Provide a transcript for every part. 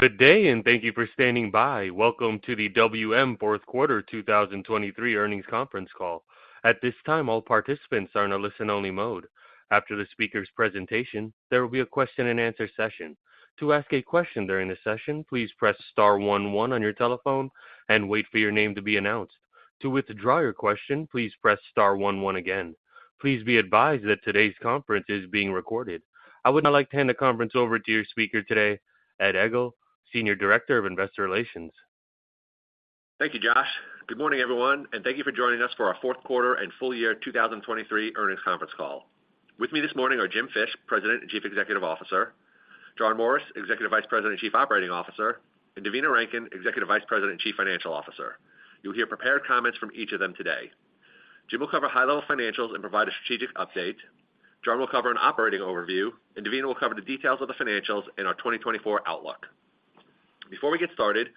Good day, and thank you for standing by. Welcome to the WM Fourth Quarter 2023 Earnings Conference Call. At this time, all participants are in a listen-only mode. After the speaker's presentation, there will be a question-and-answer session. To ask a question during the session, please press star one one on your telephone and wait for your name to be announced. To withdraw your question, please press star one one again. Please be advised that today's conference is being recorded. I would now like to hand the conference over to your speaker today, Ed Egl, Senior Director of Investor Relations. Thank you, Josh. Good morning, everyone, and thank you for joining us for our fourth quarter and full year 2023 earnings conference call. With me this morning are Jim Fish, President and Chief Executive Officer, John Morris, Executive Vice President and Chief Operating Officer, and Devina Rankin, Executive Vice President and Chief Financial Officer. You'll hear prepared comments from each of them today. Jim will cover high-level financials and provide a strategic update. John will cover an operating overview, and Devina will cover the details of the financials and our 2024 outlook. Before we get started,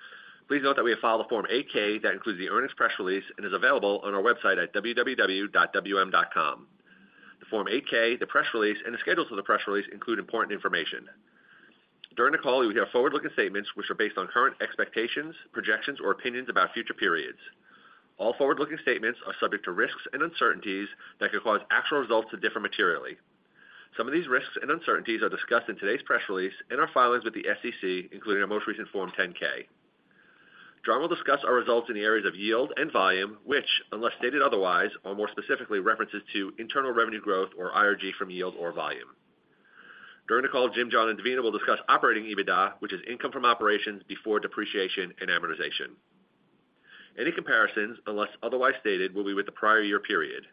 please note that we have filed a Form 8-K that includes the earnings press release and is available on our website at www.wm.com. The Form 8-K, the press release, and the schedules of the press release include important information. During the call, you'll hear forward-looking statements which are based on current expectations, projections, or opinions about future periods. All forward-looking statements are subject to risks and uncertainties that could cause actual results to differ materially. Some of these risks and uncertainties are discussed in today's press release and our filings with the SEC, including our most recent Form 10-K. John will discuss our results in the areas of yield and volume, which, unless stated otherwise, are more specifically references to internal revenue growth or IRG from yield or volume. During the call, Jim, John, and Devina will discuss Operating EBITDA, which is income from operations before depreciation and amortization. Any comparisons, unless otherwise stated, will be with the prior year period.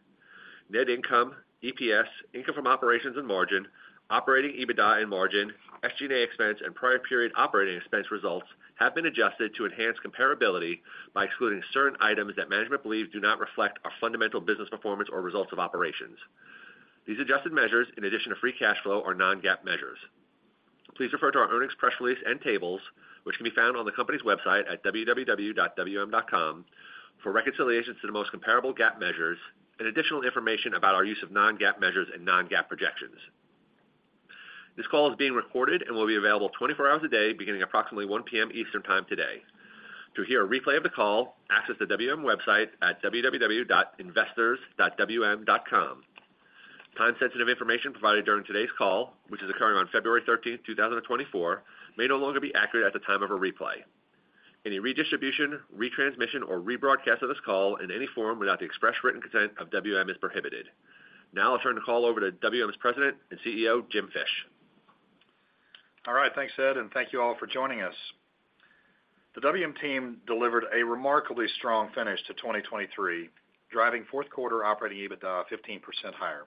Net income, EPS, income from operations and margin, Operating EBITDA and margin, SG&A expense, and prior period operating expense results have been adjusted to enhance comparability by excluding certain items that management believes do not reflect our fundamental business performance or results of operations. These adjusted measures, in addition to free cash flow, are non-GAAP measures. Please refer to our earnings press release and tables, which can be found on the company's website at www.wm.com, for reconciliations to the most comparable GAAP measures and additional information about our use of non-GAAP measures and non-GAAP projections. This call is being recorded and will be available 24 hours a day, beginning approximately 1 P.M. Eastern Time today. To hear a replay of the call, access the WM website at www.investors.wm.com. Time-sensitive information provided during today's call, which is occurring on February 13, 2024, may no longer be accurate at the time of a replay. Any redistribution, retransmission, or rebroadcast of this call in any form without the express written consent of WM is prohibited. Now I'll turn the call over to WM's President and CEO, Jim Fish. All right, thanks, Ed, and thank you all for joining us. The WM team delivered a remarkably strong finish to 2023, driving fourth quarter operating EBITDA 15% higher.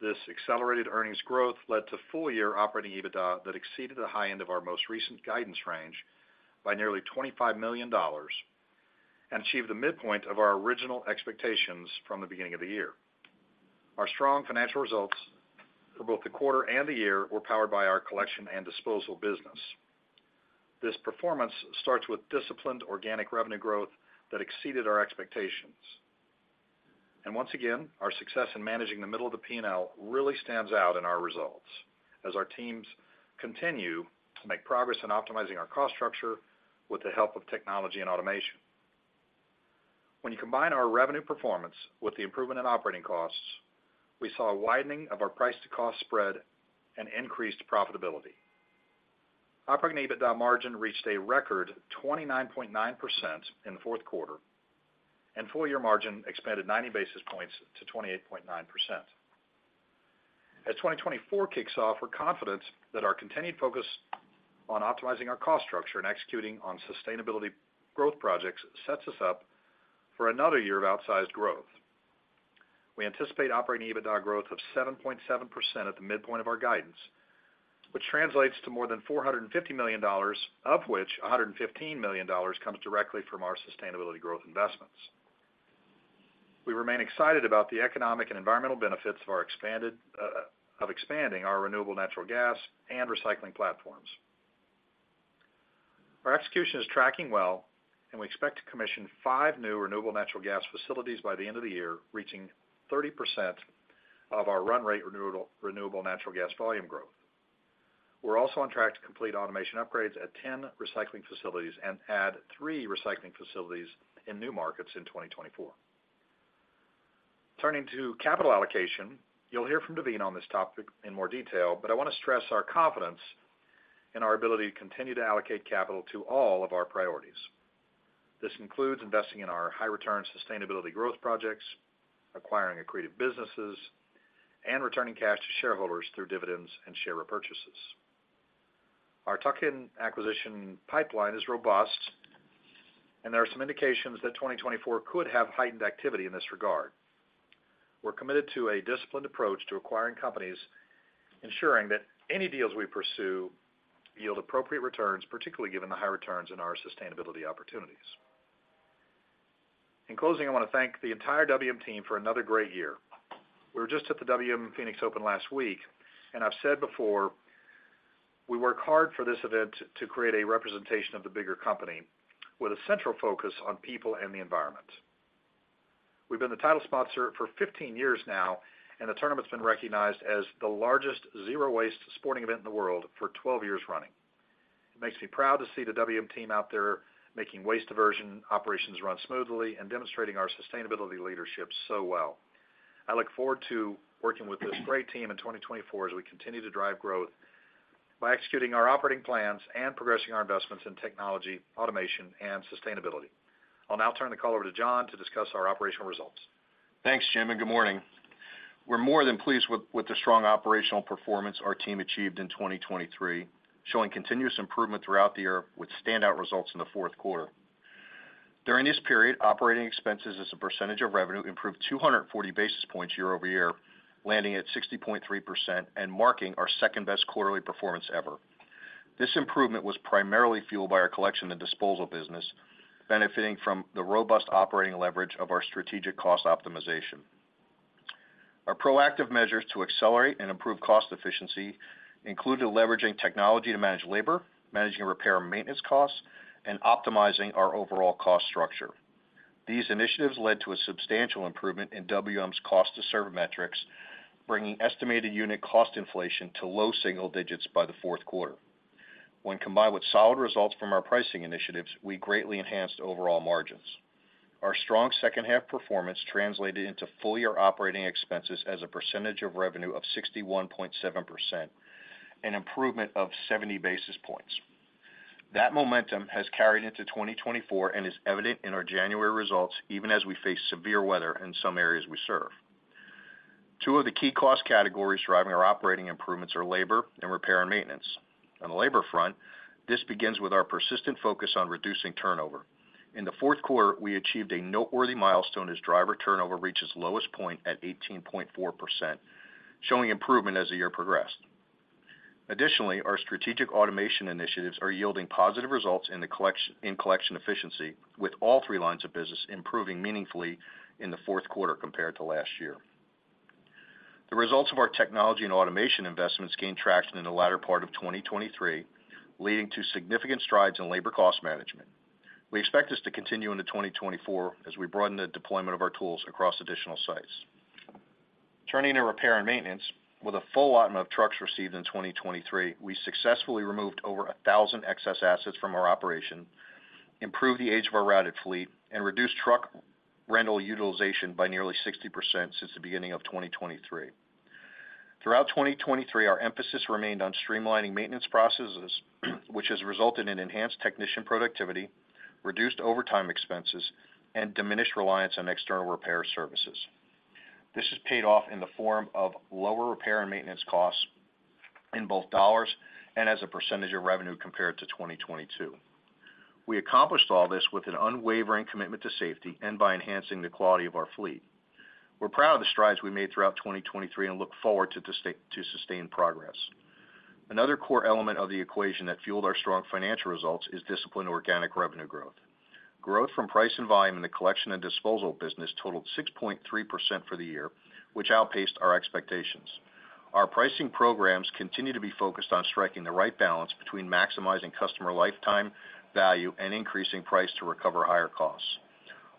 This accelerated earnings growth led to full-year operating EBITDA that exceeded the high end of our most recent guidance range by nearly $25 million and achieved the midpoint of our original expectations from the beginning of the year. Our strong financial results for both the quarter and the year were powered by our collection and disposal business. This performance starts with disciplined organic revenue growth that exceeded our expectations. And once again, our success in managing the middle of the P&L really stands out in our results as our teams continue to make progress in optimizing our cost structure with the help of technology and automation. When you combine our revenue performance with the improvement in operating costs, we saw a widening of our price to cost spread and increased profitability. Operating EBITDA margin reached a record 29.9% in the fourth quarter, and full-year margin expanded 90 basis points to 28.9%. As 2024 kicks off, we're confident that our continued focus on optimizing our cost structure and executing on sustainability growth projects sets us up for another year of outsized growth. We anticipate operating EBITDA growth of 7.7% at the midpoint of our guidance, which translates to more than $450 million, of which $115 million comes directly from our sustainability growth investments. We remain excited about the economic and environmental benefits of our expanded, of expanding our renewable natural gas and recycling platforms. Our execution is tracking well, and we expect to commission 5 new renewable natural gas facilities by the end of the year, reaching 30% of our run rate renewable, renewable natural gas volume growth. We're also on track to complete automation upgrades at 10 recycling facilities and add 3 recycling facilities in new markets in 2024. Turning to capital allocation, you'll hear from Devina on this topic in more detail, but I want to stress our confidence in our ability to continue to allocate capital to all of our priorities. This includes investing in our high return sustainability growth projects, acquiring accretive businesses, and returning cash to shareholders through dividends and share repurchases. Our tuck-in acquisition pipeline is robust, and there are some indications that 2024 could have heightened activity in this regard. We're committed to a disciplined approach to acquiring companies, ensuring that any deals we pursue yield appropriate returns, particularly given the high returns in our sustainability opportunities. In closing, I want to thank the entire WM team for another great year. We were just at the WM Phoenix Open last week, and I've said before, we work hard for this event to create a representation of the bigger company with a central focus on people and the environment. We've been the title sponsor for 15 years now, and the tournament's been recognized as the largest zero-waste sporting event in the world for 12 years running. It makes me proud to see the WM team out there making waste diversion operations run smoothly and demonstrating our sustainability leadership so well. I look forward to working with this great team in 2024 as we continue to drive growth by executing our operating plans and progressing our investments in technology, automation, and sustainability. I'll now turn the call over to John to discuss our operational results. Thanks, Jim, and good morning. We're more than pleased with the strong operational performance our team achieved in 2023, showing continuous improvement throughout the year with standout results in the fourth quarter. During this period, operating expenses as a percentage of revenue improved 240 basis points year over year, landing at 60.3% and marking our second-best quarterly performance ever. This improvement was primarily fueled by our collection and disposal business, benefiting from the robust operating leverage of our strategic cost optimization. Our proactive measures to accelerate and improve cost efficiency included leveraging technology to manage labor, managing repair and maintenance costs, and optimizing our overall cost structure. These initiatives led to a substantial improvement in WM's cost to serve metrics, bringing estimated unit cost inflation to low single digits by the fourth quarter. When combined with solid results from our pricing initiatives, we greatly enhanced overall margins. Our strong second-half performance translated into full-year operating expenses as a percentage of revenue of 61.7%, an improvement of 70 basis points. That momentum has carried into 2024 and is evident in our January results, even as we face severe weather in some areas we serve. Two of the key cost categories driving our operating improvements are labor and repair and maintenance. On the labor front, this begins with our persistent focus on reducing turnover. In the fourth quarter, we achieved a noteworthy milestone as driver turnover reached its lowest point at 18.4%, showing improvement as the year progressed. Additionally, our strategic automation initiatives are yielding positive results in collection efficiency, with all three lines of business improving meaningfully in the fourth quarter compared to last year. The results of our technology and automation investments gained traction in the latter part of 2023, leading to significant strides in labor cost management. We expect this to continue into 2024 as we broaden the deployment of our tools across additional sites. Turning to repair and maintenance, with a full allotment of trucks received in 2023, we successfully removed over 1,000 excess assets from our operation, improved the age of our routed fleet, and reduced truck rental utilization by nearly 60% since the beginning of 2023. Throughout 2023, our emphasis remained on streamlining maintenance processes, which has resulted in enhanced technician productivity, reduced overtime expenses, and diminished reliance on external repair services. This has paid off in the form of lower repair and maintenance costs in both dollars and as a percentage of revenue compared to 2022. We accomplished all this with an unwavering commitment to safety and by enhancing the quality of our fleet. We're proud of the strides we made throughout 2023 and look forward to sustain progress. Another core element of the equation that fueled our strong financial results is disciplined organic revenue growth. Growth from price and volume in the collection and disposal business totaled 6.3% for the year, which outpaced our expectations. Our pricing programs continue to be focused on striking the right balance between maximizing customer lifetime value and increasing price to recover higher costs.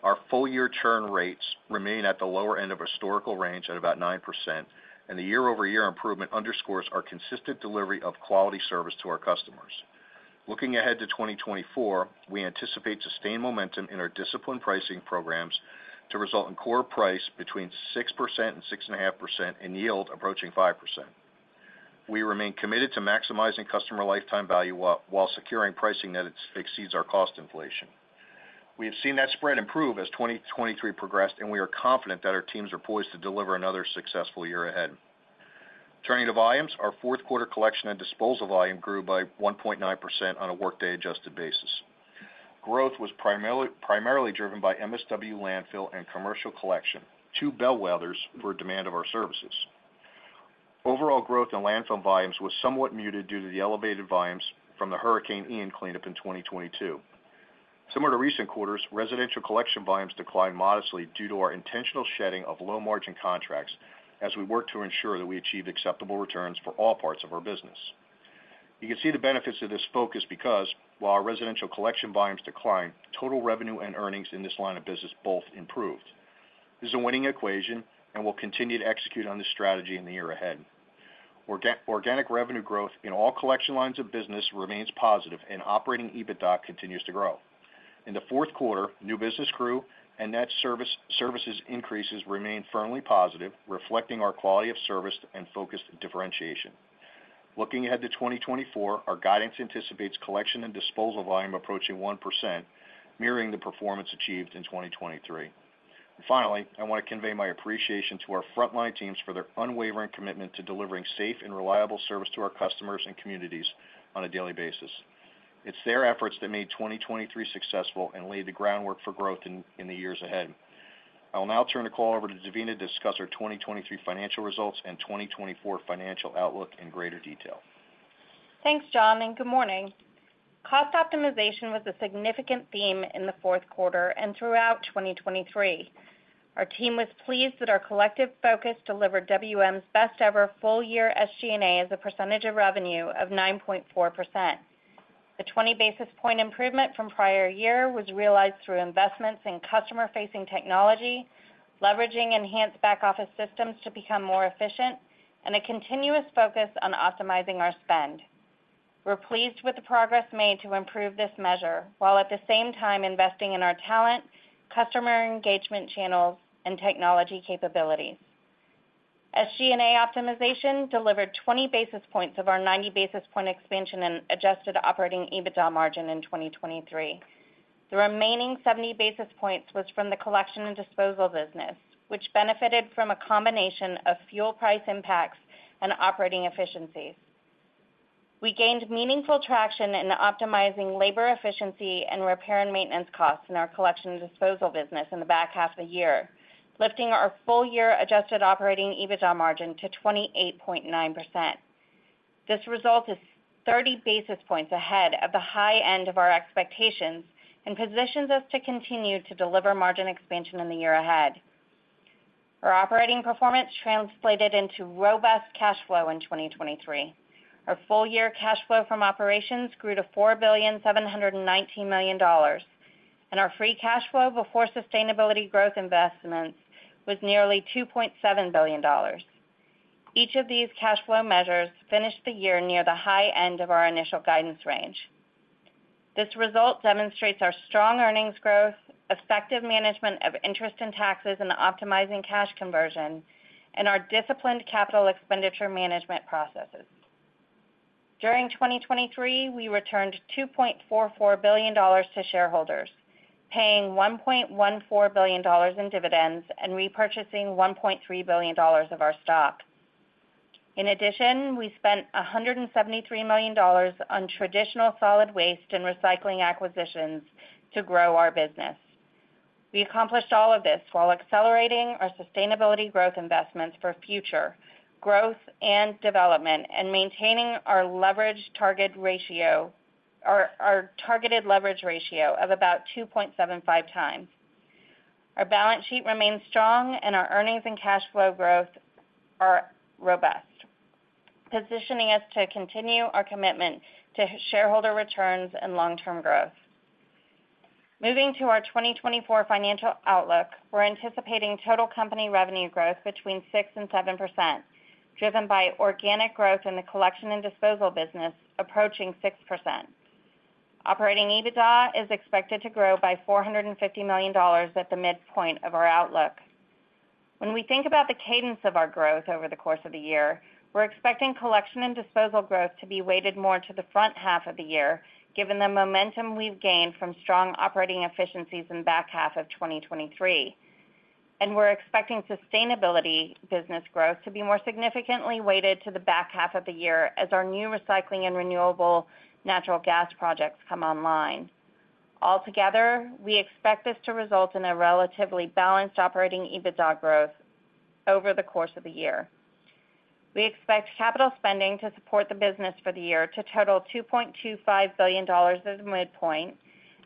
Our full-year churn rates remain at the lower end of historical range at about 9%, and the year-over-year improvement underscores our consistent delivery of quality service to our customers. Looking ahead to 2024, we anticipate sustained momentum in our disciplined pricing programs to result in core price between 6% and 6.5% and yield approaching 5%. We remain committed to maximizing customer lifetime value while securing pricing that exceeds our cost inflation. We have seen that spread improve as 2023 progressed, and we are confident that our teams are poised to deliver another successful year ahead. Turning to volumes, our fourth quarter collection and disposal volume grew by 1.9% on a workday adjusted basis. Growth was primarily driven by MSW landfill and commercial collection, two bellwethers for demand of our services. Overall growth in landfill volumes was somewhat muted due to the elevated volumes from the Hurricane Ian cleanup in 2022. Similar to recent quarters, residential collection volumes declined modestly due to our intentional shedding of low-margin contracts as we work to ensure that we achieve acceptable returns for all parts of our business. You can see the benefits of this focus because, while our residential collection volumes declined, total revenue and earnings in this line of business both improved. This is a winning equation, and we'll continue to execute on this strategy in the year ahead. Organic revenue growth in all collection lines of business remains positive, and operating EBITDA continues to grow. In the fourth quarter, new business grew, and net services increases remained firmly positive, reflecting our quality of service and focused differentiation. Looking ahead to 2024, our guidance anticipates collection and disposal volume approaching 1%, mirroring the performance achieved in 2023. Finally, I want to convey my appreciation to our frontline teams for their unwavering commitment to delivering safe and reliable service to our customers and communities on a daily basis. It's their efforts that made 2023 successful and laid the groundwork for growth in the years ahead. I will now turn the call over to Devina to discuss our 2023 financial results and 2024 financial outlook in greater detail. Thanks, John, and good morning. Cost optimization was a significant theme in the fourth quarter and throughout 2023. Our team was pleased that our collective focus delivered WM's best-ever full-year SG&A as a percentage of revenue of 9.4%. ...The 20 basis points improvement from prior year was realized through investments in customer-facing technology, leveraging enhanced back-office systems to become more efficient, and a continuous focus on optimizing our spend. We're pleased with the progress made to improve this measure, while at the same time investing in our talent, customer engagement channels, and technology capabilities. SG&A optimization delivered 20 basis points of our 90 basis points expansion in Adjusted Operating EBITDA margin in 2023. The remaining 70 basis points was from the collection and disposal business, which benefited from a combination of fuel price impacts and operating efficiencies. We gained meaningful traction in optimizing labor efficiency and repair and maintenance costs in our collection and disposal business in the back half of the year, lifting our full year Adjusted Operating EBITDA margin to 28.9%. This result is 30 basis points ahead of the high end of our expectations and positions us to continue to deliver margin expansion in the year ahead. Our operating performance translated into robust cash flow in 2023. Our full year cash flow from operations grew to $4.719 billion, and our free cash flow before sustainability growth investments was nearly $2.7 billion. Each of these cash flow measures finished the year near the high end of our initial guidance range. This result demonstrates our strong earnings growth, effective management of interest in taxes and optimizing cash conversion, and our disciplined capital expenditure management processes. During 2023, we returned $2.4 billion to shareholders, paying $1.14 billion in dividends and repurchasing $1.3 billion of our stock. In addition, we spent $173 million on traditional solid waste and recycling acquisitions to grow our business. We accomplished all of this while accelerating our sustainability growth investments for future growth and development and maintaining our leverage target ratio—our, our targeted leverage ratio of about 2.75 times. Our balance sheet remains strong and our earnings and cash flow growth are robust, positioning us to continue our commitment to shareholder returns and long-term growth. Moving to our 2024 financial outlook, we're anticipating total company revenue growth between 6% and 7%, driven by organic growth in the collection and disposal business, approaching 6%. Operating EBITDA is expected to grow by $450 million at the midpoint of our outlook. When we think about the cadence of our growth over the course of the year, we're expecting collection and disposal growth to be weighted more to the front half of the year, given the momentum we've gained from strong operating efficiencies in back half of 2023. We're expecting sustainability business growth to be more significantly weighted to the back half of the year as our new recycling and renewable natural gas projects come online. Altogether, we expect this to result in a relatively balanced Operating EBITDA growth over the course of the year. We expect capital spending to support the business for the year to total $2.25 billion as midpoint,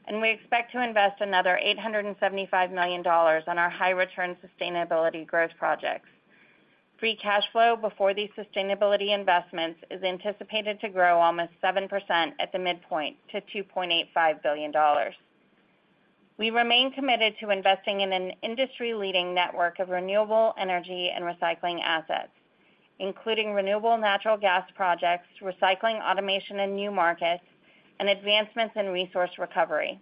and we expect to invest another $875 million on our high return sustainability growth projects. Free cash flow before these sustainability investments is anticipated to grow almost 7% at the midpoint to $2.85 billion. We remain committed to investing in an industry-leading network of renewable energy and recycling assets, including renewable natural gas projects, recycling, automation in new markets, and advancements in resource recovery.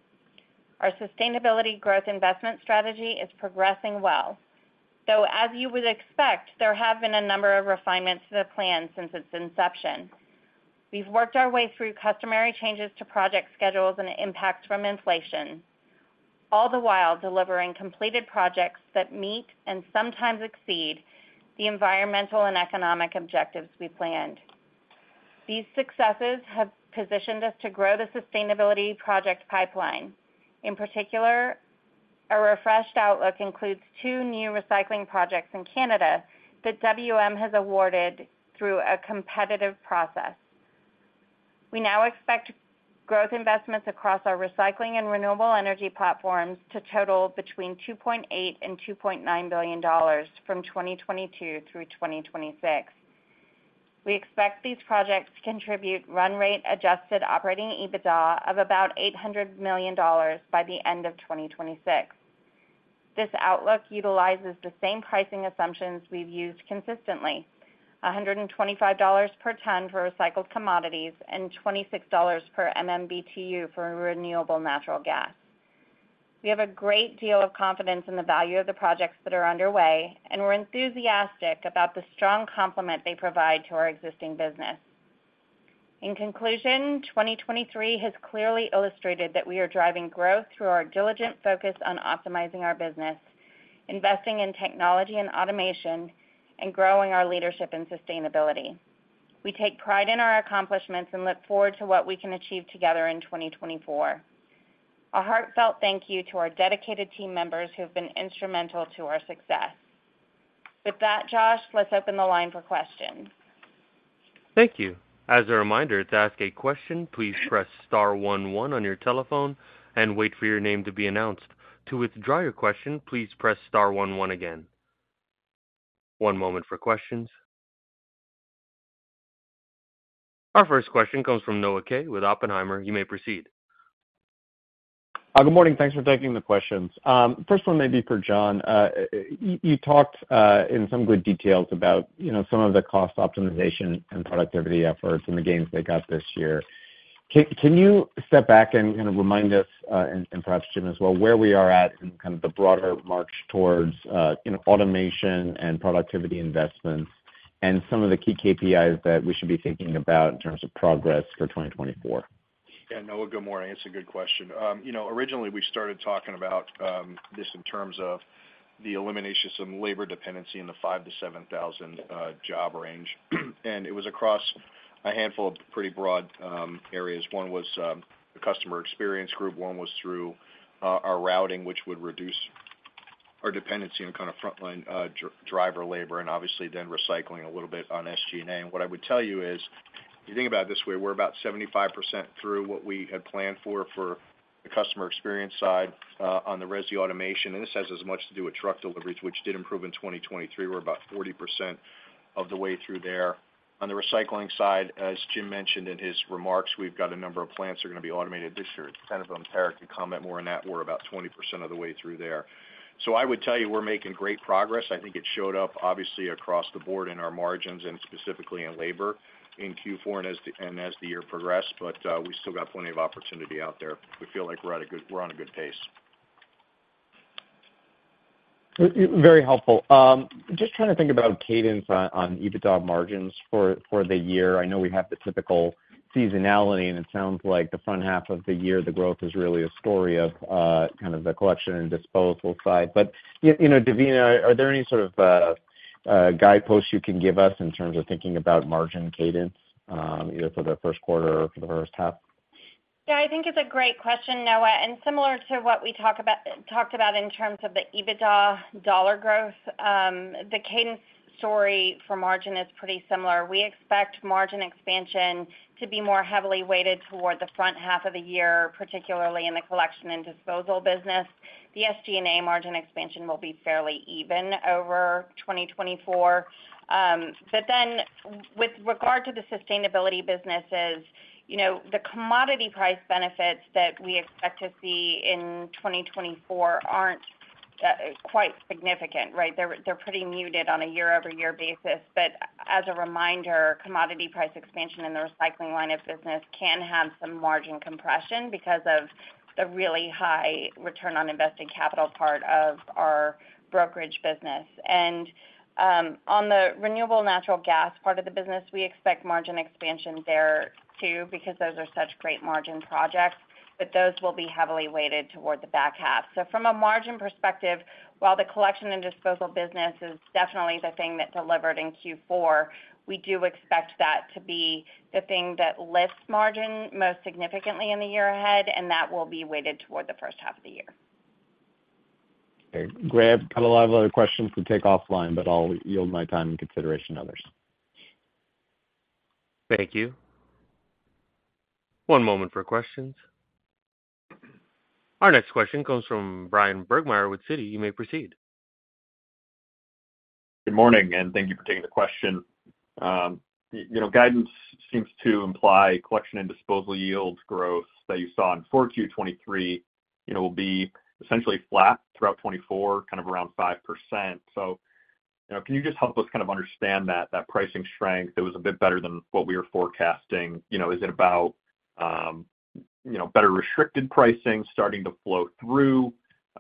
Our sustainability growth investment strategy is progressing well. So as you would expect, there have been a number of refinements to the plan since its inception. We've worked our way through customary changes to project schedules and impacts from inflation, all the while delivering completed projects that meet and sometimes exceed the environmental and economic objectives we planned. These successes have positioned us to grow the sustainability project pipeline. In particular, a refreshed outlook includes two new recycling projects in Canada that WM has awarded through a competitive process. We now expect growth investments across our recycling and renewable energy platforms to total between $2.8 billion-$2.9 billion from 2022 through 2026. We expect these projects to contribute run-rate Adjusted Operating EBITDA of about $800 million by the end of 2026. This outlook utilizes the same pricing assumptions we've used consistently: $125 per ton for recycled commodities and $26 per MMBtu for renewable natural gas. We have a great deal of confidence in the value of the projects that are underway, and we're enthusiastic about the strong complement they provide to our existing business. In conclusion, 2023 has clearly illustrated that we are driving growth through our diligent focus on optimizing our business, investing in technology and automation, and growing our leadership in sustainability. We take pride in our accomplishments and look forward to what we can achieve together in 2024. A heartfelt thank you to our dedicated team members who have been instrumental to our success. With that, Josh, let's open the line for questions. Thank you. As a reminder, to ask a question, please press star one one on your telephone and wait for your name to be announced. To withdraw your question, please press star one one again.... One moment for questions. Our first question comes from Noah Kaye with Oppenheimer. You may proceed. Good morning. Thanks for taking the questions. First one may be for John. You talked in some good details about, you know, some of the cost optimization and productivity efforts and the gains they got this year. Can you step back and kind of remind us, and perhaps Jim as well, where we are at in kind of the broader march towards, you know, automation and productivity investments, and some of the key KPIs that we should be thinking about in terms of progress for 2024? Yeah, Noah, good morning. It's a good question. You know, originally, we started talking about this in terms of the elimination of some labor dependency in the 5,000-7,000 job range. And it was across a handful of pretty broad areas. One was the customer experience group, one was through our routing, which would reduce our dependency on kind of frontline driver labor, and obviously then recycling a little bit on SG&A. And what I would tell you is, if you think about it this way, we're about 75% through what we had planned for, for the customer experience side, on the resi automation, and this has as much to do with truck deliveries, which did improve in 2023. We're about 40% of the way through there. On the recycling side, as Jim mentioned in his remarks, we've got a number of plants that are going to be automated this year. Tara Hemmer can comment more on that. We're about 20% of the way through there. So I would tell you, we're making great progress. I think it showed up, obviously, across the board in our margins and specifically in labor, in Q4 and as the year progressed, but we still got plenty of opportunity out there. We feel like we're at a good, we're on a good pace. Very helpful. Just trying to think about cadence on EBITDA margins for the year. I know we have the typical seasonality, and it sounds like the front half of the year, the growth is really a story of kind of the collection and disposal side. But you know, Devina, are there any sort of guideposts you can give us in terms of thinking about margin cadence, either for the first quarter or for the first half? Yeah, I think it's a great question, Noah, and similar to what we talked about in terms of the EBITDA dollar growth, the cadence story for margin is pretty similar. We expect margin expansion to be more heavily weighted toward the front half of the year, particularly in the collection and disposal business. The SG&A margin expansion will be fairly even over 2024. But then with regard to the sustainability businesses, you know, the commodity price benefits that we expect to see in 2024 aren't quite significant, right? They're pretty muted on a year-over-year basis. But as a reminder, commodity price expansion in the recycling line of business can have some margin compression because of the really high return on invested capital part of our brokerage business. On the renewable natural gas part of the business, we expect margin expansion there, too, because those are such great margin projects, but those will be heavily weighted toward the back half. So from a margin perspective, while the collection and disposal business is definitely the thing that delivered in Q4, we do expect that to be the thing that lifts margin most significantly in the year ahead, and that will be weighted toward the first half of the year. Okay, great. I have a lot of other questions to take offline, but I'll yield my time in consideration others. Thank you. One moment for questions. Our next question comes from Bryan Burgmeier with Citi. You may proceed. Good morning, and thank you for taking the question. You know, guidance seems to imply collection and disposal yields growth that you saw in 4Q-2023, it will be essentially flat throughout 2024, kind of around 5%. So, you know, can you just help us kind of understand that, that pricing strength that was a bit better than what we were forecasting? You know, is it about, you know, better restricted pricing starting to flow through?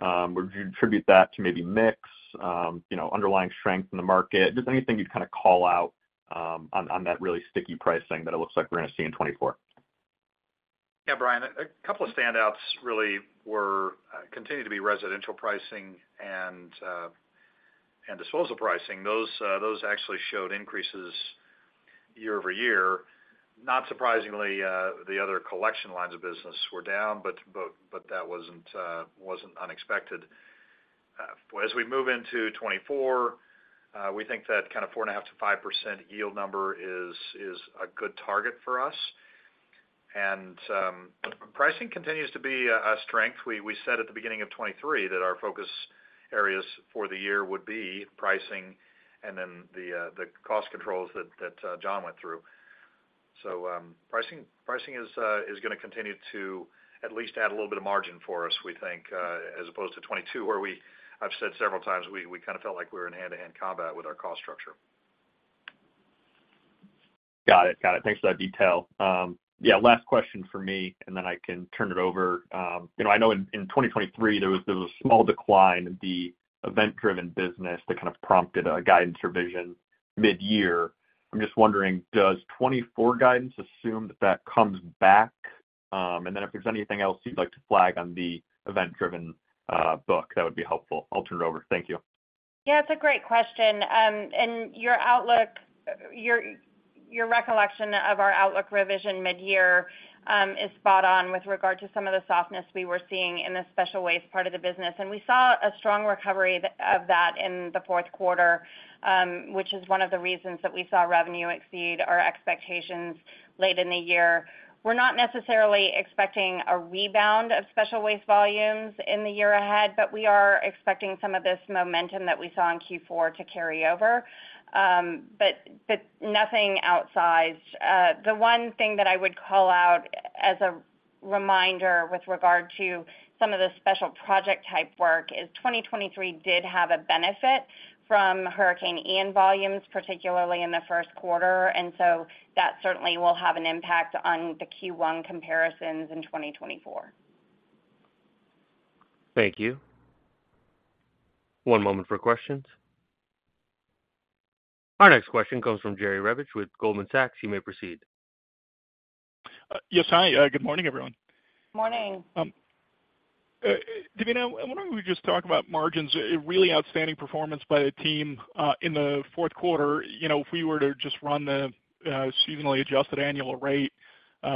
Would you attribute that to maybe mix, you know, underlying strength in the market? Just anything you'd kind of call out, on that really sticky pricing that it looks like we're going to see in 2024. Yeah, Brian, a couple of standouts really were, continue to be residential pricing and, and disposal pricing. Those, those actually showed increases year-over-year. Not surprisingly, the other collection lines of business were down, but that wasn't unexpected. As we move into 2024, we think that kind of 4.5%-5% yield number is a good target for us. And, pricing continues to be a strength. We said at the beginning of 2023 that our focus areas for the year would be pricing and then the cost controls that John went through. So, pricing, pricing is going to continue to at least add a little bit of margin for us, we think, as opposed to 2022, where I've said several times, we kind of felt like we were in hand-to-hand combat with our cost structure. Got it. Got it. Thanks for that detail. Yeah, last question for me, and then I can turn it over. You know, I know in 2023, there was a small decline in the event-driven business that kind of prompted a guidance revision mid-year. I'm just wondering, does 2024 guidance assume that that comes back? And then if there's anything else you'd like to flag on the event-driven book, that would be helpful. I'll turn it over. Thank you. Yeah, it's a great question. And your outlook, your recollection of our outlook revision mid-year, is spot on with regard to some of the softness we were seeing in the special waste part of the business. And we saw a strong recovery of that in the fourth quarter, which is one of the reasons that we saw revenue exceed our expectations late in the year. We're not necessarily expecting a rebound of special waste volumes in the year ahead, but we are expecting some of this momentum that we saw in Q4 to carry over. But nothing outsized. The one thing that I would call out... As a reminder, with regard to some of the special project-type work, is 2023 did have a benefit from Hurricane Ian volumes, particularly in the first quarter, and so that certainly will have an impact on the Q1 comparisons in 2024. Thank you. One moment for questions. Our next question comes from Jerry Revich with Goldman Sachs. You may proceed. Yes. Hi. Good morning, everyone. Morning. Devina, I wonder if we could just talk about margins. A really outstanding performance by the team in the fourth quarter. You know, if we were to just run the seasonally adjusted annual rate,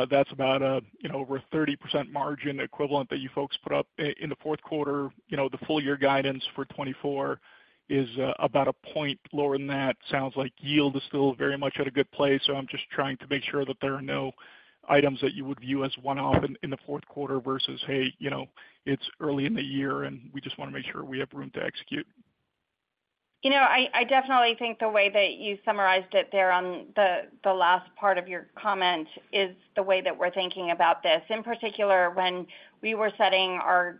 that's about a, you know, over a 30% margin equivalent that you folks put up in the fourth quarter. You know, the full year guidance for 2024 is about a point lower than that. Sounds like yield is still very much at a good place, so I'm just trying to make sure that there are no items that you would view as one-off in the fourth quarter versus, hey, you know, it's early in the year, and we just want to make sure we have room to execute. You know, I, I definitely think the way that you summarized it there on the, the last part of your comment is the way that we're thinking about this. In particular, when we were setting our,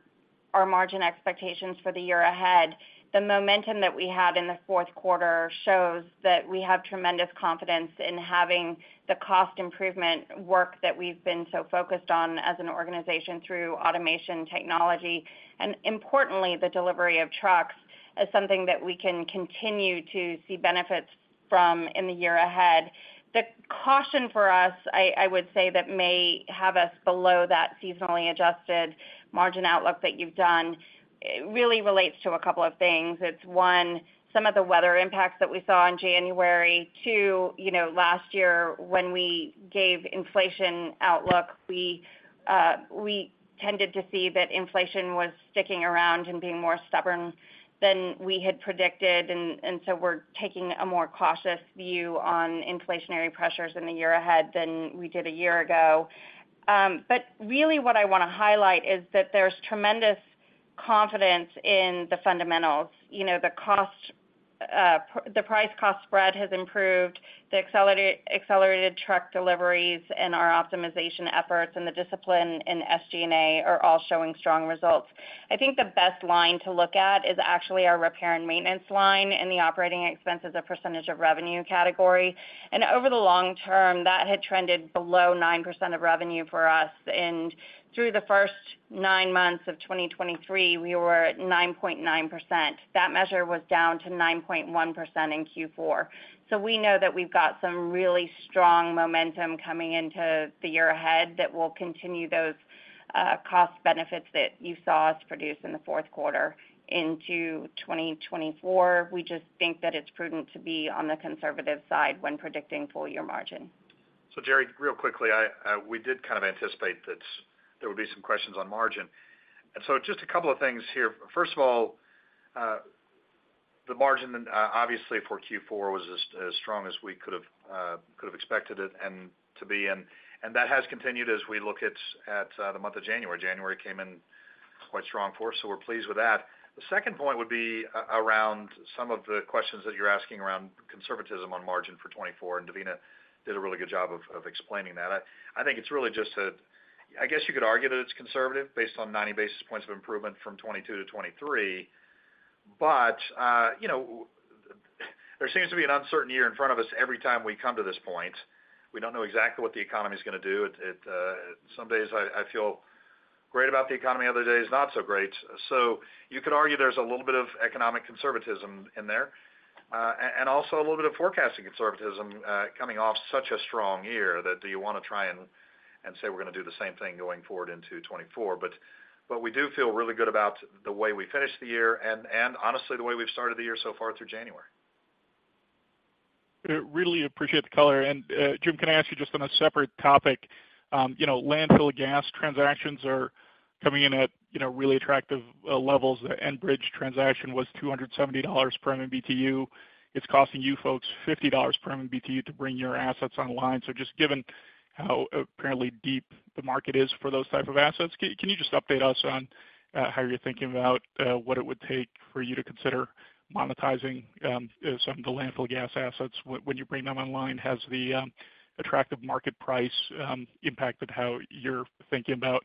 our margin expectations for the year ahead, the momentum that we had in the fourth quarter shows that we have tremendous confidence in having the cost improvement work that we've been so focused on as an organization through automation technology, and importantly, the delivery of trucks, as something that we can continue to see benefits from in the year ahead. The caution for us, I, I would say, that may have us below that seasonally adjusted margin outlook that you've done, it really relates to a couple of things. It's, one, some of the weather impacts that we saw in January. Two, you know, last year, when we gave inflation outlook, we tended to see that inflation was sticking around and being more stubborn than we had predicted, and so we're taking a more cautious view on inflationary pressures in the year ahead than we did a year ago. But really what I want to highlight is that there's tremendous confidence in the fundamentals. You know, the cost, the price-cost spread has improved, the accelerated truck deliveries and our optimization efforts and the discipline in SG&A are all showing strong results. I think the best line to look at is actually our repair and maintenance line in the operating expenses of percentage of revenue category. Over the long term, that had trended below 9% of revenue for us, and through the first nine months of 2023, we were at 9.9%. That measure was down to 9.1% in Q4. So we know that we've got some really strong momentum coming into the year ahead that will continue those cost benefits that you saw us produce in the fourth quarter into 2024. We just think that it's prudent to be on the conservative side when predicting full year margin. So, Jerry, real quickly, we did kind of anticipate that there would be some questions on margin. And so just a couple of things here. First of all, the margin, obviously for Q4 was as strong as we could have expected it and to be, and that has continued as we look at the month of January. January came in quite strong for us, so we're pleased with that. The second point would be around some of the questions that you're asking around conservatism on margin for 2024, and Devina did a really good job of explaining that. I think it's really just a—I guess you could argue that it's conservative, based on 90 basis points of improvement from 2022 to 2023. But, you know, there seems to be an uncertain year in front of us every time we come to this point. We don't know exactly what the economy is gonna do. It, some days I feel great about the economy, other days, not so great. So you could argue there's a little bit of economic conservatism in there, and also a little bit of forecasting conservatism, coming off such a strong year, that do you want to try and say, we're going to do the same thing going forward into 2024? But we do feel really good about the way we finished the year and, honestly, the way we've started the year so far through January. Really appreciate the color. Jim, can I ask you just on a separate topic, you know, landfill gas transactions are coming in at, you know, really attractive levels. The Enbridge transaction was $270 per MMBtu. It's costing you folks $50 per MMBtu to bring your assets online. So just given how apparently deep the market is for those type of assets, can you just update us on how you're thinking about what it would take for you to consider monetizing some of the landfill gas assets when you bring them online? Has the attractive market price impacted how you're thinking about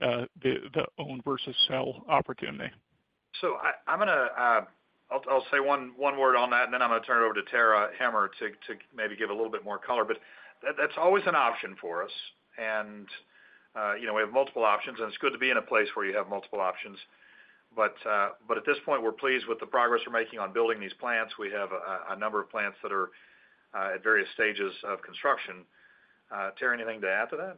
the own versus sell opportunity? So I'm gonna say one word on that, and then I'm gonna turn it over to Tara Hemmer to maybe give a little bit more color. But that's always an option for us. And you know, we have multiple options, and it's good to be in a place where you have multiple options. But at this point, we're pleased with the progress we're making on building these plants. We have a number of plants that are at various stages of construction. Tara, anything to add to that?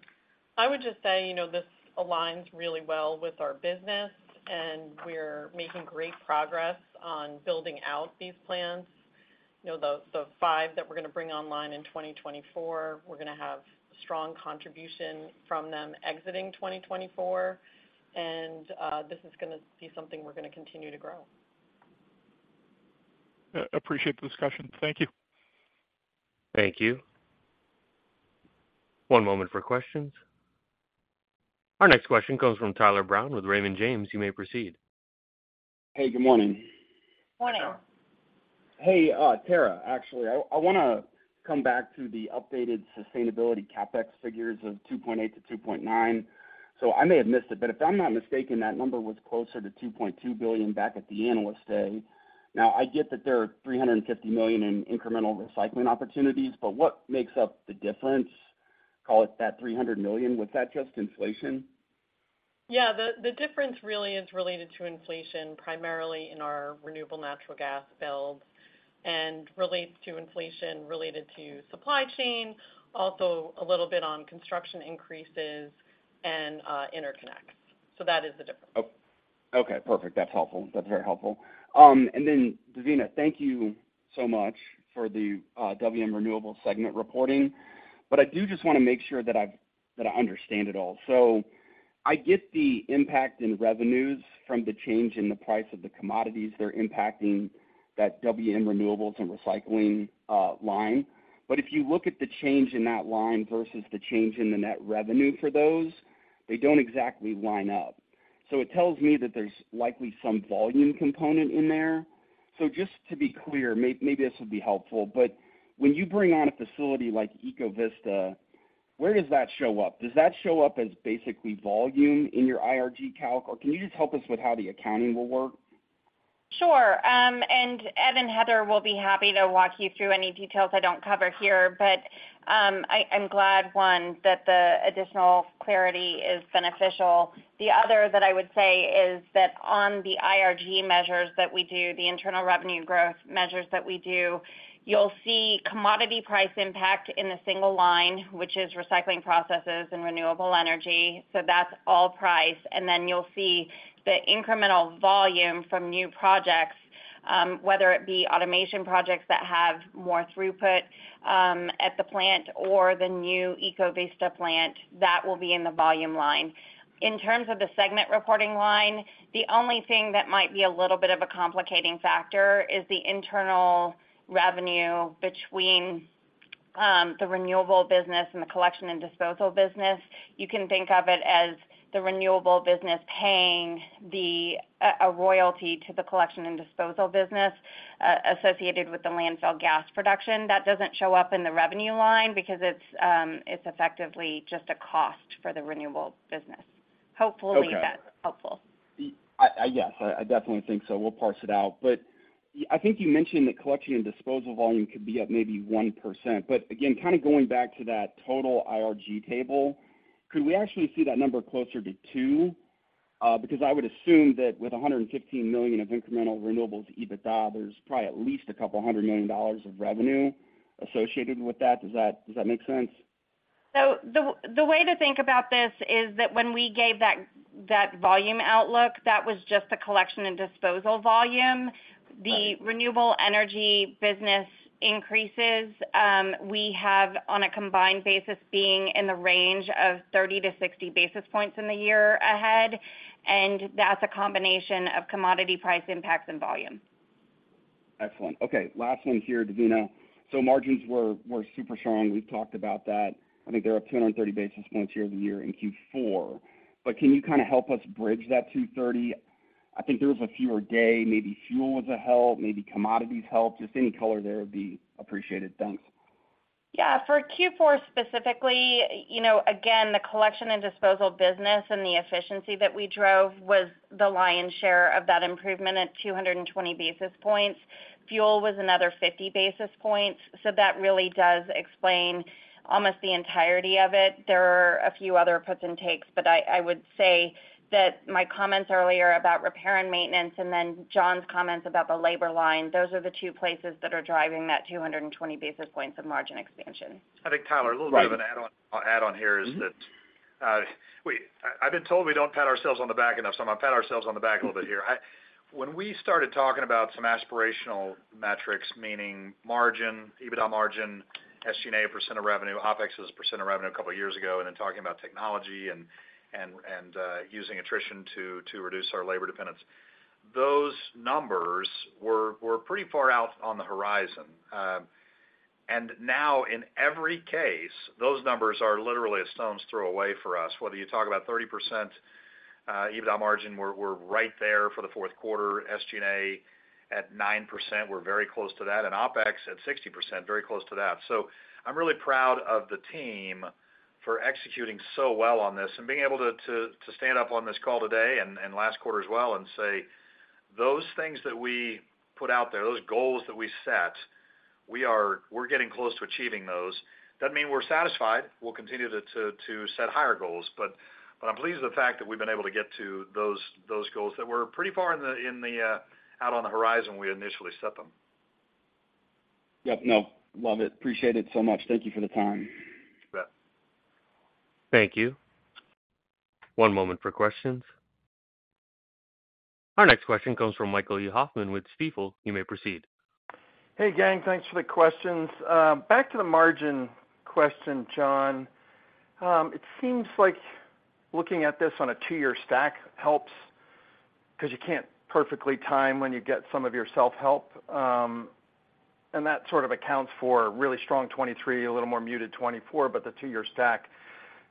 I would just say, you know, this aligns really well with our business, and we're making great progress on building out these plans. You know, the five that we're going to bring online in 2024, we're going to have strong contribution from them exiting 2024, and this is gonna be something we're going to continue to grow. Appreciate the discussion. Thank you. Thank you. One moment for questions. Our next question comes from Tyler Brown with Raymond James. You may proceed. Hey, good morning. Morning. Hey, Tara, actually, I want to come back to the updated sustainability CapEx figures of $2.8-$2.9 billion. So I may have missed it, but if I'm not mistaken, that number was closer to $2.2 billion back at the Analyst Day. Now I get that there are $350 million in incremental recycling opportunities, but what makes up the difference, call it that $300 million, was that just inflation? Yeah, the, the difference really is related to inflation, primarily in our renewable natural gas build and relates to inflation related to supply chain, also a little bit on construction increases and, interconnects. So that is the difference. Oh, okay, perfect. That's helpful. That's very helpful. And then Devina, thank you so much for the WM Renewables segment reporting. But I do just want to make sure that I've- that I understand it all. So I get the impact in revenues from the change in the price of the commodities that are impacting that WM Renewables and recycling line. But if you look at the change in that line versus the change in the net revenue for those, they don't exactly line up. So it tells me that there's likely some volume component in there. So just to be clear, maybe this will be helpful, but when you bring on a facility like Eco Vista, where does that show up? Does that show up as basically volume in your IRG calc, or can you just help us with how the accounting will work? Sure, and Ed and Heather will be happy to walk you through any details I don't cover here, but, I, I'm glad, one, that the additional clarity is beneficial. The other that I would say is that on the IRG measures that we do, the internal revenue growth measures that we do, you'll see commodity price impact in a single line, which is recycling processes and renewable energy. So that's all price. And then you'll see the incremental volume from new projects, whether it be automation projects that have more throughput, at the plant or the new Eco Vista plant, that will be in the volume line. In terms of the segment reporting line, the only thing that might be a little bit of a complicating factor is the internal revenue between, the renewable business and the collection and disposal business. You can think of it as the renewable business paying a royalty to the collection and disposal business associated with the landfill gas production. That doesn't show up in the revenue line because it's effectively just a cost for the renewable business. Okay. Hopefully, that's helpful. Yes, I definitely think so. We'll parse it out. But I think you mentioned that collection and disposal volume could be up maybe 1%. But again, kind of going back to that total IRG table, could we actually see that number closer to 2%? Because I would assume that with $115 million of incremental renewables EBITDA, there's probably at least a couple of hundred million dollars of revenue associated with that. Does that, does that make sense? The way to think about this is that when we gave that volume outlook, that was just the collection and disposal volume. Right. The renewable energy business increases, we have on a combined basis being in the range of 30-60 basis points in the year ahead, and that's a combination of commodity price impacts and volume. Excellent. Okay, last one here, Devina. So margins were super strong. We've talked about that. I think they're up 230 basis points year-over-year in Q4. But can you kind of help us bridge that 230? I think there was a fewer days, maybe fuel was a help, maybe commodities helped. Just any color there would be appreciated. Thanks. Yeah, for Q4 specifically, you know, again, the collection and disposal business and the efficiency that we drove was the lion's share of that improvement at 220 basis points. Fuel was another 50 basis points. So that really does explain almost the entirety of it. There are a few other puts and takes, but I, I would say that my comments earlier about repair and maintenance, and then John's comments about the labor line, those are the two places that are driving that 220 basis points of margin expansion. I think, Tyler- Right. A little bit of an add-on here is that Mm-hmm.... we, I've been told we don't pat ourselves on the back enough, so I'm gonna pat ourselves on the back a little bit here. When we started talking about some aspirational metrics, meaning margin, EBITDA margin, SG&A percent of revenue, OpEx as a percent of revenue a couple of years ago, and then talking about technology, using attrition to reduce our labor dependence, those numbers were pretty far out on the horizon. And now in every case, those numbers are literally a stone's throw away for us. Whether you talk about 30% EBITDA margin, we're right there for the fourth quarter, SG&A at 9%, we're very close to that, and OpEx at 60%, very close to that. So I'm really proud of the team for executing so well on this and being able to stand up on this call today and last quarter as well and say, those things that we put out there, those goals that we set, we're getting close to achieving those. Doesn't mean we're satisfied. We'll continue to set higher goals, but I'm pleased with the fact that we've been able to get to those goals that were pretty far out on the horizon when we initially set them. Yep, no, love it. Appreciate it so much. Thank you for the time. You bet. Thank you. One moment for questions. Our next question comes from Michael E. Hoffman with Stifel. You may proceed. Hey, gang, thanks for the questions. Back to the margin question, John. It seems like looking at this on a two-year stack helps because you can't perfectly time when you get some of your self-help. And that sort of accounts for a really strong 2023, a little more muted 2024, but the two-year stack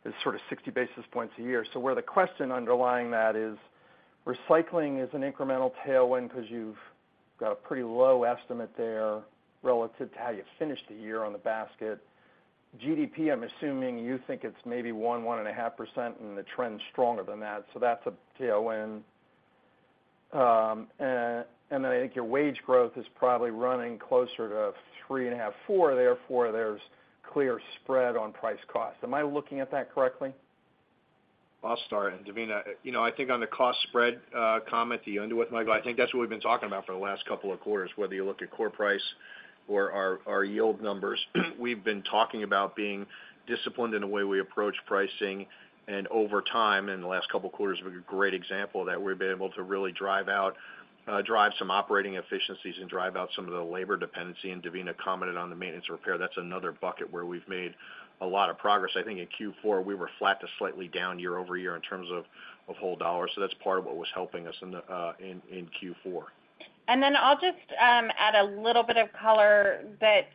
is sort of 60 basis points a year. So where the question underlying that is, recycling is an incremental tailwind because you've got a pretty low estimate there relative to how you finished the year on the basket. GDP, I'm assuming you think it's maybe 1%-1.5%, and the trend's stronger than that, so that's a tailwind. And then I think your wage growth is probably running closer to 3.5-4; therefore, there's clear spread on price cost. Am I looking at that correctly? I'll start, and Devina, you know, I think on the cost spread, comment that you underwent, Michael, I think that's what we've been talking about for the last couple of quarters, whether you look at core price or our, our yield numbers. We've been talking about being disciplined in the way we approach pricing. And over time, in the last couple of quarters, we've a great example of that. We've been able to really drive out, drive some operating efficiencies and drive out some of the labor dependency. And Devina commented on the maintenance repair. That's another bucket where we've made a lot of progress. I think in Q4, we were flat to slightly down year-over-year in terms of, of whole dollars. So that's part of what was helping us in the, in, in Q4. And then I'll just add a little bit of color that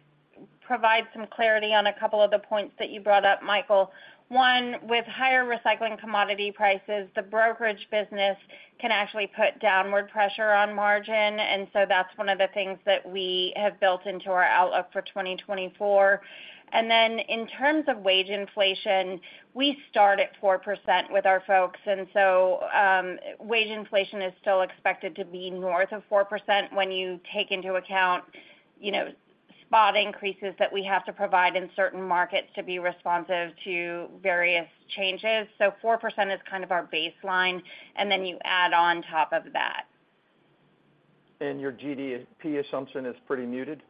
provides some clarity on a couple of the points that you brought up, Michael. One, with higher recycling commodity prices, the brokerage business can actually put downward pressure on margin, and so that's one of the things that we have built into our outlook for 2024. In terms of wage inflation, we start at 4% with our folks, and so wage inflation is still expected to be north of 4% when you take into account, you know, spot increases that we have to provide in certain markets to be responsive to various changes. So 4% is kind of our baseline, and then you add on top of that. Your GDP assumption is pretty muted?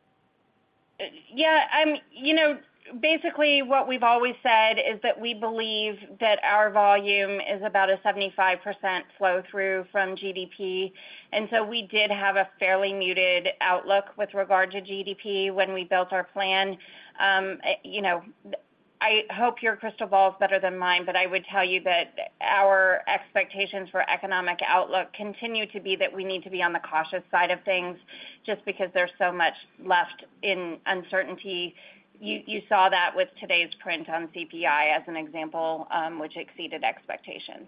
Yeah, you know, basically what we've always said is that we believe that our volume is about a 75% flow-through from GDP, and so we did have a fairly muted outlook with regard to GDP when we built our plan. You know, I hope your crystal ball is better than mine, but I would tell you that our expectations for economic outlook continue to be that we need to be on the cautious side of things just because there's so much left in uncertainty. You saw that with today's print on CPI as an example, which exceeded expectations.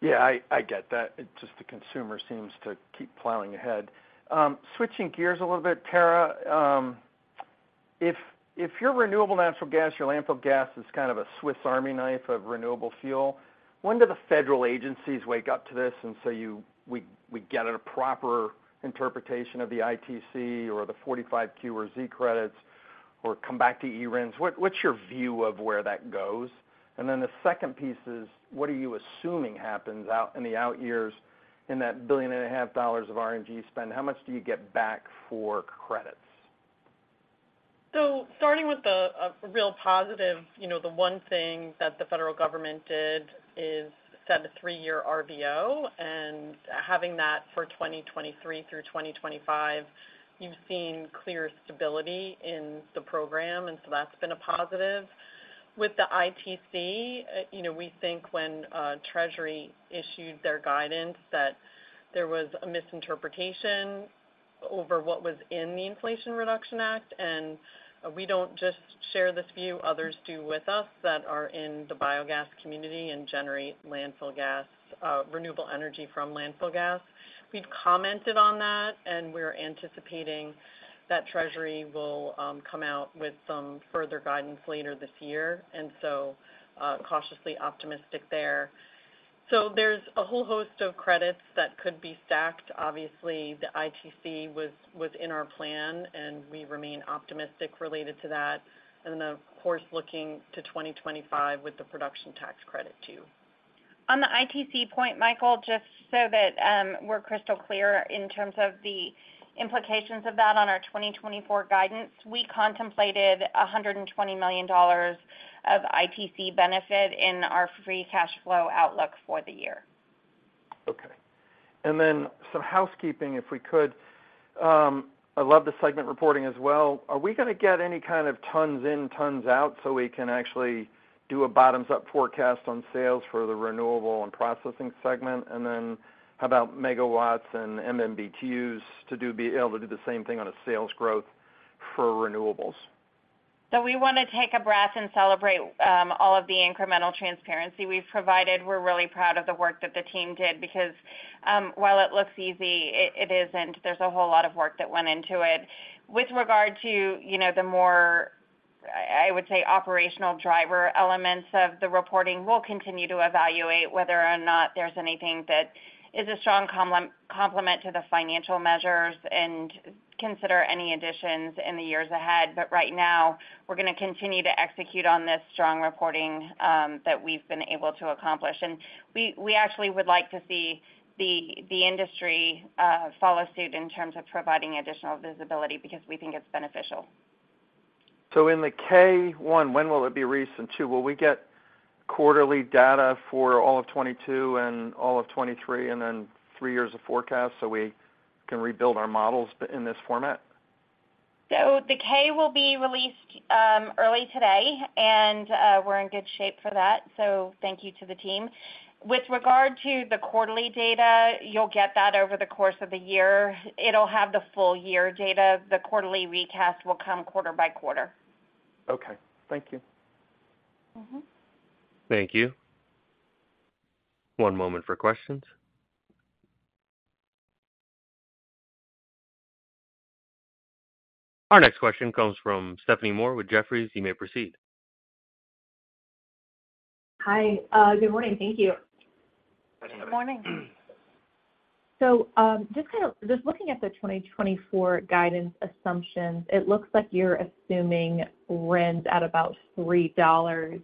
Yeah, I get that. It's just the consumer seems to keep plowing ahead. Switching gears a little bit, Tara, if your renewable natural gas, your landfill gas, is kind of a Swiss Army knife of renewable fuel, when do the federal agencies wake up to this and say, we get a proper interpretation of the ITC or the 45Q or Z credits or come back to eRINs? What's your view of where that goes? And then the second piece is, what are you assuming happens out in the out years in that $1.5 billion of RNG spend? How much do you get back for credits? So starting with the, a real positive, you know, the one thing that the federal government did is set a 3-year RVO, and having that for 2023 through 2025, you've seen clear stability in the program, and so that's been a positive. With the ITC, you know, we think when Treasury issued their guidance that there was a misinterpretation over what was in the Inflation Reduction Act, and we don't just share this view, others do with us that are in the biogas community and generate landfill gas, renewable energy from landfill gas. We've commented on that, and we're anticipating that Treasury will come out with some further guidance later this year, and so, cautiously optimistic there. So there's a whole host of credits that could be stacked. Obviously, the ITC was in our plan, and we remain optimistic related to that, and then, of course, looking to 2025 with the production tax credit, too. On the ITC point, Michael, just so that, we're crystal clear in terms of the implications of that on our 2024 guidance, we contemplated $120 million of ITC benefit in our free cash flow outlook for the year. Okay. And then some housekeeping, if we could. I love the segment reporting as well. Are we gonna get any kind of tons in, tons out, so we can actually do a bottoms-up forecast on sales for the renewable and processing segment? And then how about megawatts and MMBtus to be able to do the same thing on a sales growth for renewables? So we want to take a breath and celebrate all of the incremental transparency we've provided. We're really proud of the work that the team did because while it looks easy, it isn't. There's a whole lot of work that went into it. With regard to, you know, the more, I would say, operational driver elements of the reporting, we'll continue to evaluate whether or not there's anything that is a strong complement to the financial measures and consider any additions in the years ahead. But right now, we're going to continue to execute on this strong reporting that we've been able to accomplish. And we actually would like to see the industry follow suit in terms of providing additional visibility because we think it's beneficial. In the K-1, when will it be released? Two, will we get quarterly data for all of 2022 and all of 2023, and then three years of forecast so we can rebuild our models but in this format? The K will be released early today, and we're in good shape for that, so thank you to the team. With regard to the quarterly data, you'll get that over the course of the year. It'll have the full year data. The quarterly recast will come quarter by quarter. Okay. Thank you.... Thank you. One moment for questions. Our next question comes from Stephanie Moore with Jefferies. You may proceed. Hi, good morning. Thank you. Good morning. So, just kind of, just looking at the 2024 guidance assumptions, it looks like you're assuming RINs at about $3,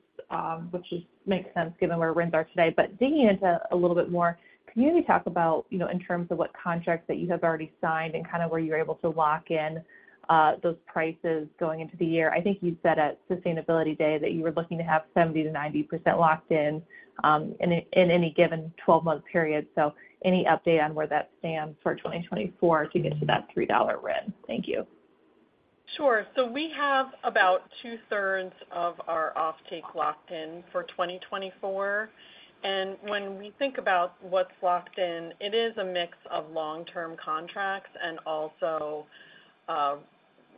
which is, makes sense given where RINs are today. But digging into a little bit more, can you maybe talk about, you know, in terms of what contracts that you have already signed and kind of where you're able to lock in, those prices going into the year? I think you said at Sustainability Day that you were looking to have 70%-90% locked in, in any given 12-month period. So any update on where that stands for 2024 to get to that $3 RIN? Thank you. Sure. So we have about two-thirds of our offtake locked in for 2024. And when we think about what's locked in, it is a mix of long-term contracts and also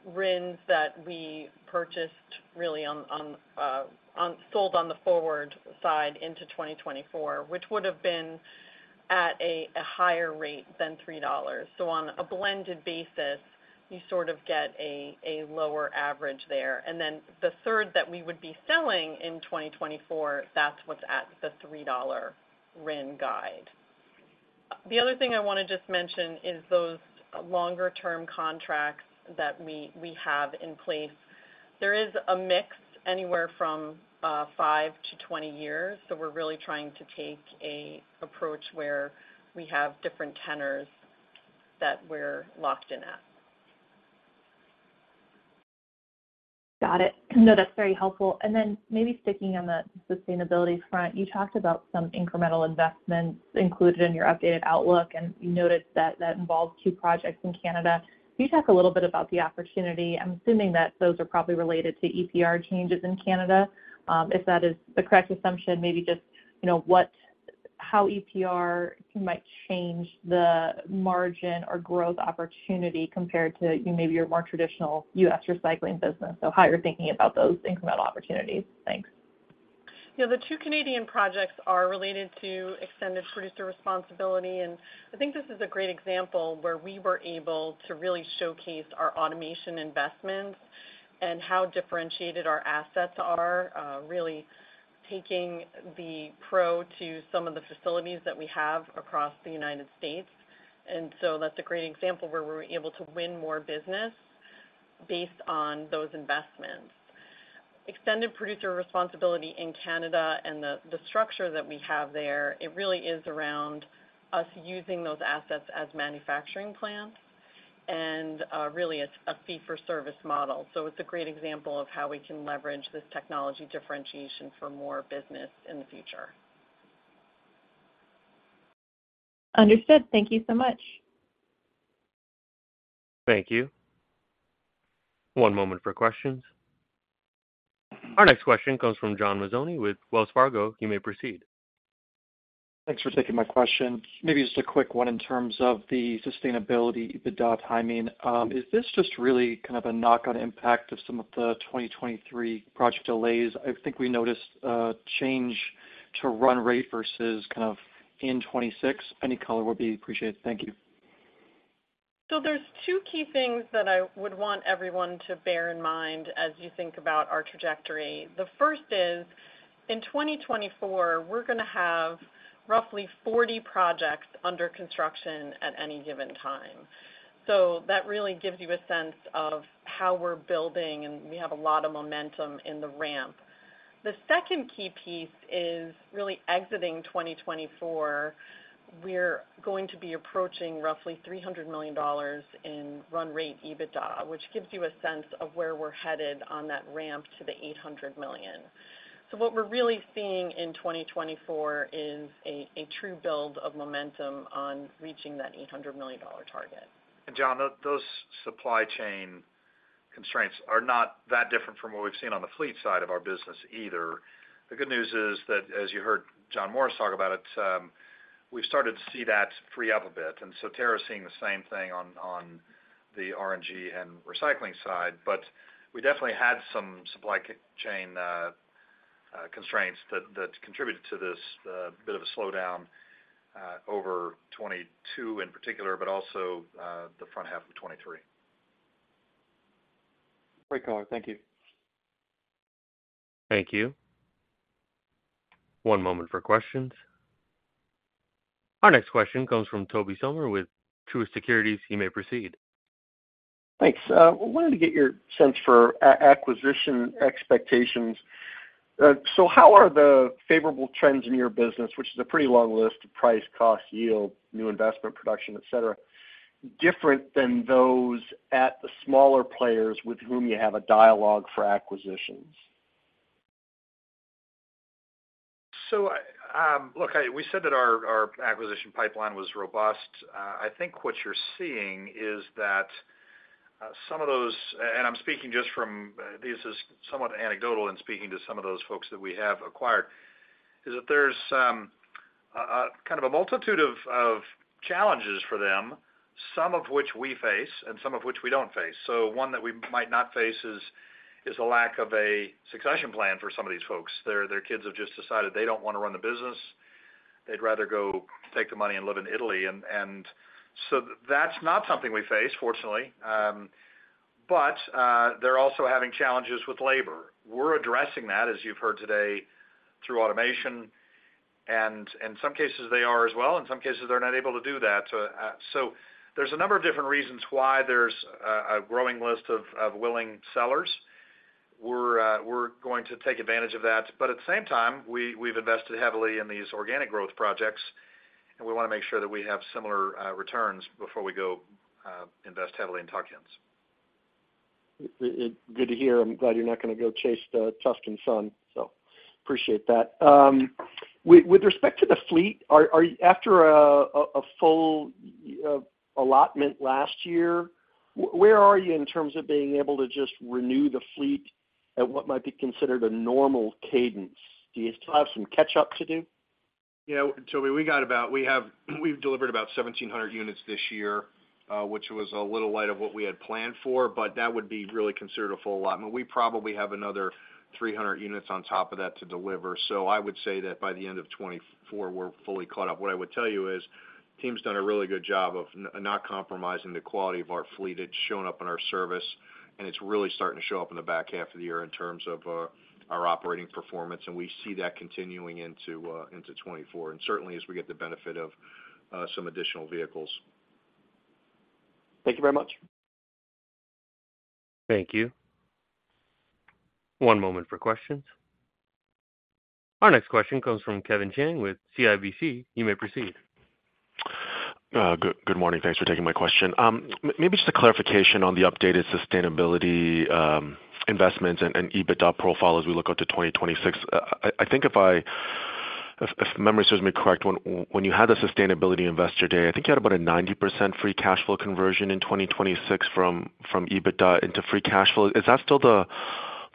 RINs that we purchased really on-sold on the forward side into 2024, which would have been at a higher rate than $3. So on a blended basis, you sort of get a lower average there. And then the third that we would be selling in 2024, that's what's at the $3 RIN guide. The other thing I want to just mention is those long-term contracts that we have in place. There is a mix anywhere from 5 to 20 years, so we're really trying to take an approach where we have different tenors that we're locked in at. Got it. No, that's very helpful. And then maybe sticking on the sustainability front, you talked about some incremental investments included in your updated outlook, and you noted that that involves two projects in Canada. Can you talk a little bit about the opportunity? I'm assuming that those are probably related to EPR changes in Canada. If that is the correct assumption, maybe just, you know, how EPR might change the margin or growth opportunity compared to maybe your more traditional U.S. recycling business. So how you're thinking about those incremental opportunities? Thanks. Yeah, the two Canadian projects are related to Extended Producer Responsibility, and I think this is a great example where we were able to really showcase our automation investments and how differentiated our assets are, really taking the PRO to some of the facilities that we have across the United States. And so that's a great example where we were able to win more business based on those investments. Extended Producer Responsibility in Canada and the structure that we have there, it really is around us using those assets as manufacturing plants and really a fee-for-service model. So it's a great example of how we can leverage this technology differentiation for more business in the future. Understood. Thank you so much. Thank you. One moment for questions. Our next question comes from John Mazzoni with Wells Fargo. You may proceed. Thanks for taking my question. Maybe just a quick one in terms of the sustainability EBITDA timing. Is this just really kind of a knock-on impact of some of the 2023 project delays? I think we noticed a change to run rate versus kind of in 2026. Any color would be appreciated. Thank you. So there's two key things that I would want everyone to bear in mind as you think about our trajectory. The first is, in 2024, we're gonna have roughly 40 projects under construction at any given time. So that really gives you a sense of how we're building, and we have a lot of momentum in the ramp. The second key piece is really exiting 2024. We're going to be approaching roughly $300 million in run rate EBITDA, which gives you a sense of where we're headed on that ramp to the $800 million. So what we're really seeing in 2024 is a true build of momentum on reaching that $800 million dollar target. And John, those supply chain constraints are not that different from what we've seen on the fleet side of our business either. The good news is that, as you heard John Morris talk about it, we've started to see that free up a bit, and so Tara's seeing the same thing on the RNG and recycling side. But we definitely had some supply chain constraints that contributed to this bit of a slowdown over 2022 in particular, but also the front half of 2023. Great color. Thank you. Thank you. One moment for questions. Our next question comes from Tobey Sommer with Truist Securities. You may proceed. Thanks. Wanted to get your sense for acquisition expectations. So how are the favorable trends in your business, which is a pretty long list of price, cost, yield, new investment, production, et cetera, different than those at the smaller players with whom you have a dialogue for acquisitions? So, look, we said that our acquisition pipeline was robust. I think what you're seeing is that some of those, and I'm speaking just from this is somewhat anecdotal in speaking to some of those folks that we have acquired, is that there's,... kind of a multitude of challenges for them, some of which we face and some of which we don't face. So one that we might not face is a lack of a succession plan for some of these folks. Their kids have just decided they don't want to run the business. They'd rather go take the money and live in Italy, and so that's not something we face, fortunately. But they're also having challenges with labor. We're addressing that, as you've heard today, through automation, and in some cases, they are as well, in some cases, they're not able to do that. So there's a number of different reasons why there's a growing list of willing sellers. We're going to take advantage of that. But at the same time, we've invested heavily in these organic growth projects, and we want to make sure that we have similar returns before we go invest heavily in tuck-ins. Good to hear. I'm glad you're not going to go chase the Tuscan sun, so appreciate that. With respect to the fleet, are you after a full allotment last year, where are you in terms of being able to just renew the fleet at what might be considered a normal cadence? Do you still have some catch up to do? Yeah, Tobey, we've delivered about 1,700 units this year, which was a little light of what we had planned for, but that would be really considered a full allotment. We probably have another 300 units on top of that to deliver. So I would say that by the end of 2024, we're fully caught up. What I would tell you is, the team's done a really good job of not compromising the quality of our fleet. It's shown up in our service, and it's really starting to show up in the back half of the year in terms of our operating performance, and we see that continuing into 2024. And certainly, as we get the benefit of some additional vehicles. Thank you very much. Thank you. One moment for questions. Our next question comes from Kevin Chiang with CIBC. You may proceed. Good morning. Thanks for taking my question. Maybe just a clarification on the updated sustainability investments and EBITDA profile as we look out to 2026. I think if memory serves me correct, when you had the Sustainability Investor Day, I think you had about a 90% free cash flow conversion in 2026 from EBITDA into free cash flow. Is that still the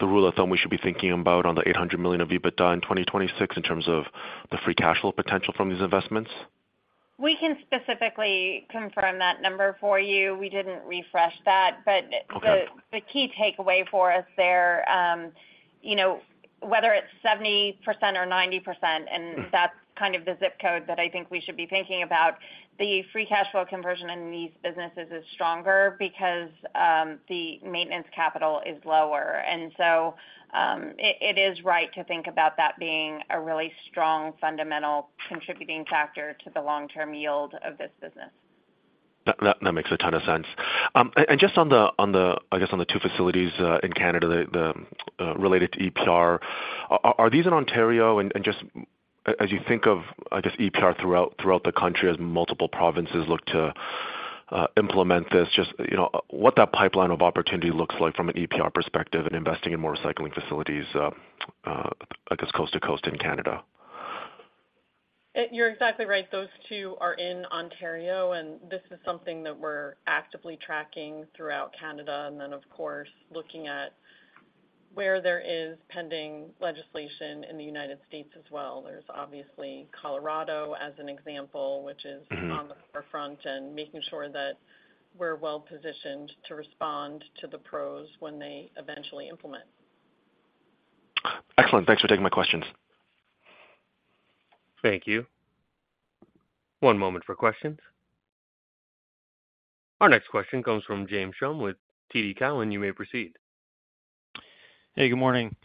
rule of thumb we should be thinking about on the $800 million of EBITDA in 2026 in terms of the free cash flow potential from these investments? We can specifically confirm that number for you. We didn't refresh that, but- Okay. The key takeaway for us there, you know, whether it's 70% or 90%, and- Mm-hmm... that's kind of the zip code that I think we should be thinking about. The free cash flow conversion in these businesses is stronger because the maintenance capital is lower. And so, it is right to think about that being a really strong fundamental contributing factor to the long-term yield of this business. That makes a ton of sense. And just on the two facilities in Canada related to EPR, are these in Ontario? And just as you think of EPR throughout the country, as multiple provinces look to implement this, you know, what that pipeline of opportunity looks like from an EPR perspective and investing in more recycling facilities, coast to coast in Canada. You're exactly right. Those two are in Ontario, and this is something that we're actively tracking throughout Canada, and then, of course, looking at where there is pending legislation in the United States as well. There's obviously Colorado as an example, which is- Mm-hmm... on the forefront, and making sure that we're well-positioned to respond to the PROs when they eventually implement. Excellent. Thanks for taking my questions. Thank you. One moment for questions. Our next question comes from James Schumm with TD Cowen. You may proceed. Hey, good morning.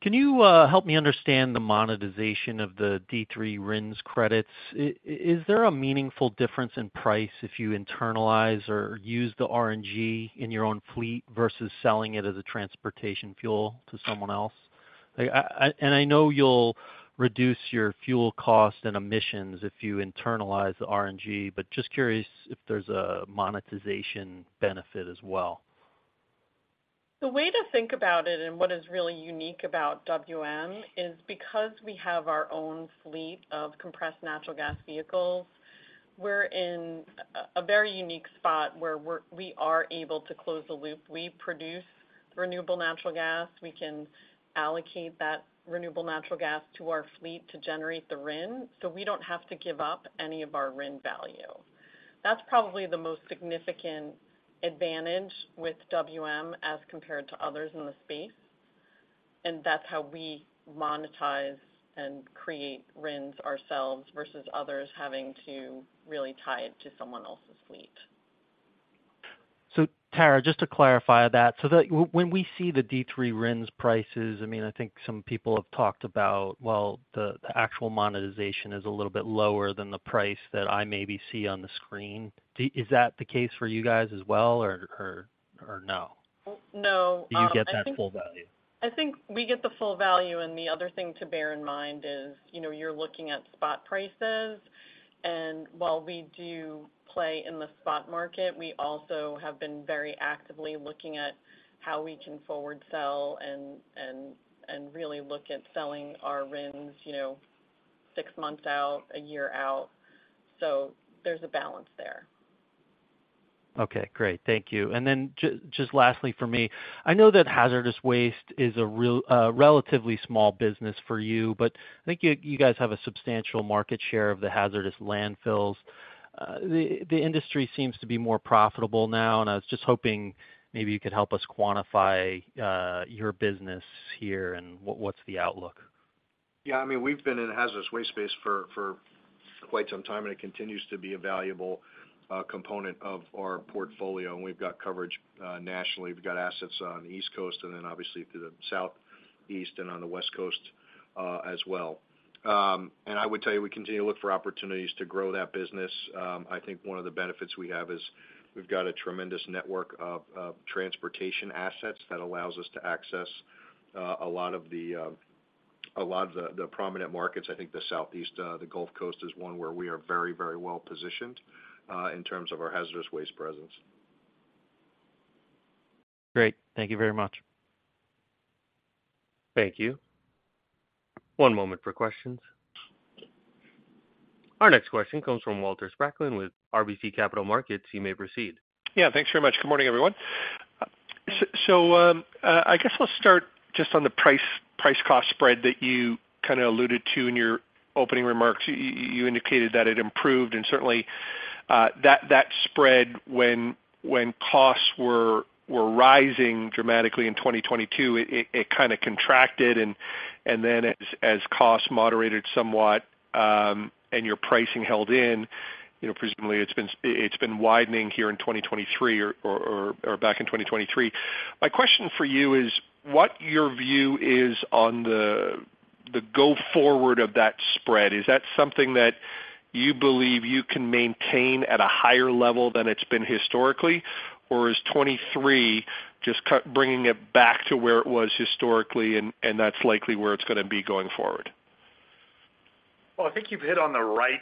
Can you help me understand the monetization of the D3 RINs credits? Is there a meaningful difference in price if you internalize or use the RNG in your own fleet versus selling it as a transportation fuel to someone else? And I know you'll reduce your fuel cost and emissions if you internalize the RNG, but just curious if there's a monetization benefit as well. The way to think about it and what is really unique about WM is because we have our own fleet of compressed natural gas vehicles, we're in a very unique spot where we are able to close the loop. We produce renewable natural gas. We can allocate that renewable natural gas to our fleet to generate the RIN, so we don't have to give up any of our RIN value. That's probably the most significant advantage with WM as compared to others in the space, and that's how we monetize and create RINs ourselves versus others having to really tie it to someone else's fleet. So, Tara, just to clarify that, so that when we see the D3 RINs prices, I mean, I think some people have talked about, well, the actual monetization is a little bit lower than the price that I maybe see on the screen. Is that the case for you guys as well, or no? No, I think- You get that full value. I think we get the full value, and the other thing to bear in mind is, you know, you're looking at spot prices, and while we do play in the spot market, we also have been very actively looking at how we can forward sell and really look at selling our RINs, you know, six months out, a year out. So there's a balance there. ... Okay, great. Thank you. And then just lastly for me, I know that hazardous waste is a real, relatively small business for you, but I think you guys have a substantial market share of the hazardous landfills. The industry seems to be more profitable now, and I was just hoping maybe you could help us quantify your business here and what's the outlook? Yeah, I mean, we've been in the hazardous waste space for quite some time, and it continues to be a valuable component of our portfolio. And we've got coverage nationally. We've got assets on the East Coast and then obviously through the Southeast and on the West Coast as well. And I would tell you, we continue to look for opportunities to grow that business. I think one of the benefits we have is we've got a tremendous network of transportation assets that allows us to access a lot of the prominent markets. I think the Southeast, the Gulf Coast is one where we are very, very well positioned in terms of our hazardous waste presence. Great. Thank you very much. Thank you. One moment for questions. Our next question comes from Walter Spracklin with RBC Capital Markets. You may proceed. Yeah, thanks very much. Good morning, everyone. So, I guess let's start just on the price, price-cost spread that you kind of alluded to in your opening remarks. You indicated that it improved, and certainly, that spread when costs were rising dramatically in 2022, it kind of contracted, and then as costs moderated somewhat, and your pricing held in, you know, presumably it's been widening here in 2023 or back in 2023. My question for you is, what your view is on the go forward of that spread? Is that something that you believe you can maintain at a higher level than it's been historically? Or is 2023 just bringing it back to where it was historically, and that's likely where it's gonna be going forward? Well, I think you've hit on the right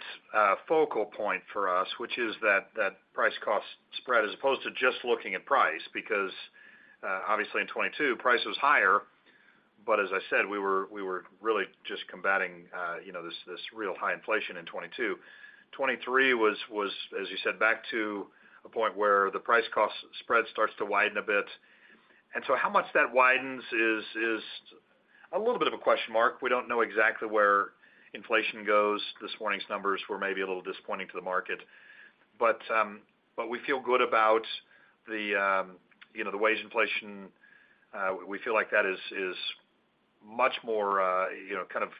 focal point for us, which is that price-cost spread, as opposed to just looking at price. Because obviously in 2022, price was higher, but as I said, we were really just combating you know this real high inflation in 2022. 2023 was as you said back to a point where the price-cost spread starts to widen a bit. And so how much that widens is a little bit of a question mark. We don't know exactly where inflation goes. This morning's numbers were maybe a little disappointing to the market, but we feel good about you know the wage inflation. We feel like that is, is much more, you know, kind of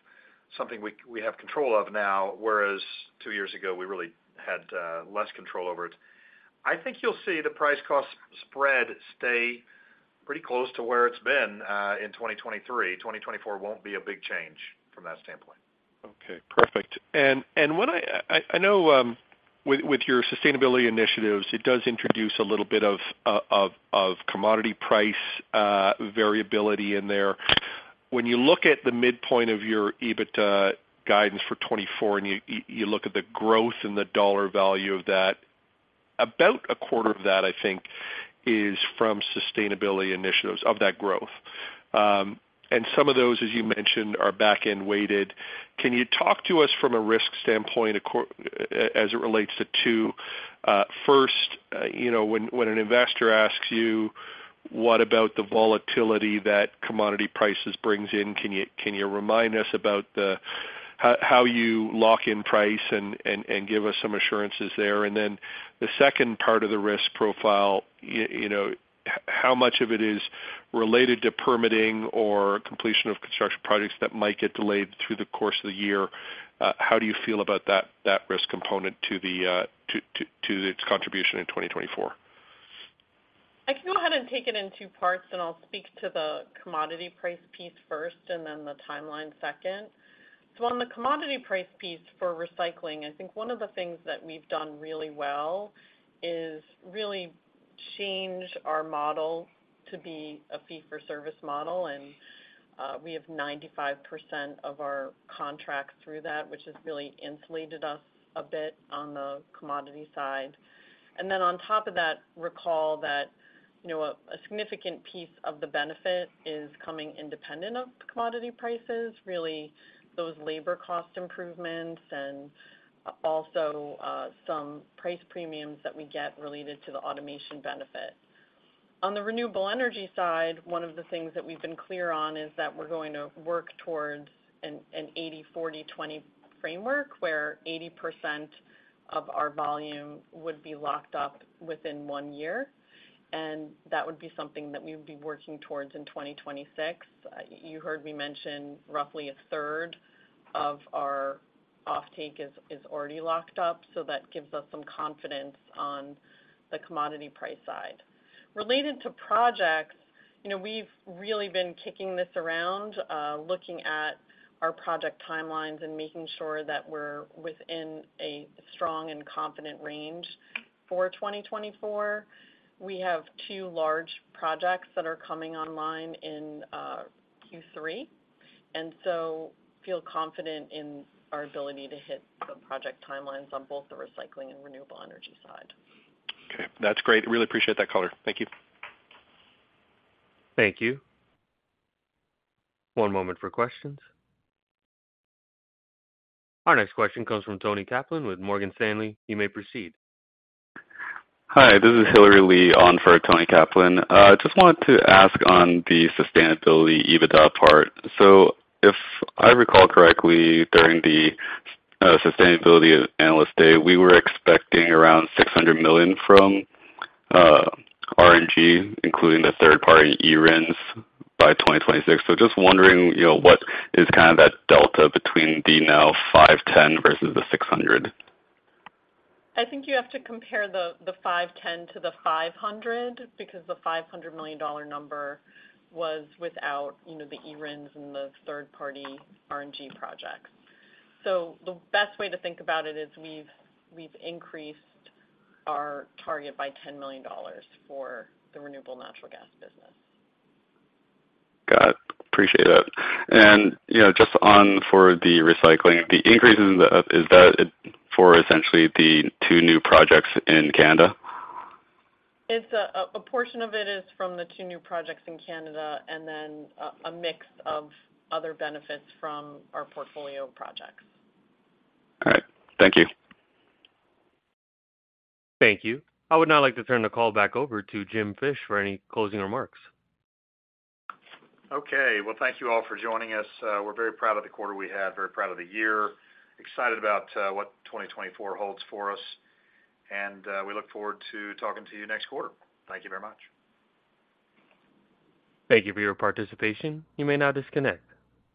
something we, we have control of now, whereas two years ago, we really had, less control over it. I think you'll see the price-cost spread stay pretty close to where it's been, in 2023. 2024 won't be a big change from that standpoint. Okay, perfect. And what I know, with your sustainability initiatives, it does introduce a little bit of commodity price variability in there. When you look at the midpoint of your EBITDA guidance for 2024, and you look at the growth and the dollar value of that, about a quarter of that, I think, is from sustainability initiatives of that growth. And some of those, as you mentioned, are back-end weighted. Can you talk to us from a risk standpoint as it relates to 2024? First, you know, when an investor asks you, "What about the volatility that commodity prices brings in?" Can you remind us about how you lock in price and give us some assurances there? And then the second part of the risk profile, you know, how much of it is related to permitting or completion of construction projects that might get delayed through the course of the year? How do you feel about that, that risk component to the, to its contribution in 2024? I can go ahead and take it in two parts, and I'll speak to the commodity price piece first and then the timeline second. So on the commodity price piece for recycling, I think one of the things that we've done really well is really change our model to be a fee-for-service model, and we have 95% of our contracts through that, which has really insulated us a bit on the commodity side. And then on top of that, recall that, you know, a significant piece of the benefit is coming independent of the commodity prices, really those labor cost improvements and also some price premiums that we get related to the automation benefit. On the renewable energy side, one of the things that we've been clear on is that we're going to work towards an 80/40/20 framework, where 80% of our volume would be locked up within one year, and that would be something that we would be working towards in 2026. You heard me mention roughly a third of our offtake is already locked up, so that gives us some confidence on the commodity price side. Related to projects, you know, we've really been kicking this around, looking at our project timelines and making sure that we're within a strong and confident range for 2024. We have two large projects that are coming online in Q3, and so feel confident in our ability to hit the project timelines on both the recycling and renewable energy side. Okay, that's great. Really appreciate that color. Thank you. Thank you. One moment for questions. Our next question comes from Toni Kaplan with Morgan Stanley. You may proceed. Hi, this is Hilary Lee on for Toni Kaplan. Just wanted to ask on the sustainability EBITDA part. So if I recall correctly, during the Sustainability Analyst Day, we were expecting around $600 million from RNG, including the third-party eRINs, by 2026. So just wondering, you know, what is kind of that delta between the now $510 versus the $600? I think you have to compare the 510 to the 500, because the $500 million number was without, you know, the eRINs and the third-party RNG projects. So the best way to think about it is we've increased our target by $10 million for the renewable natural gas business. Got it. Appreciate it. And, you know, just on for the recycling, the increases, is that it for essentially the two new projects in Canada? It's a portion of it is from the two new projects in Canada and then a mix of other benefits from our portfolio of projects. All right. Thank you. Thank you. I would now like to turn the call back over to Jim Fish for any closing remarks. Okay. Well, thank you all for joining us. We're very proud of the quarter we had, very proud of the year, excited about what 2024 holds for us, and we look forward to talking to you next quarter. Thank you very much. Thank you for your participation. You may now disconnect.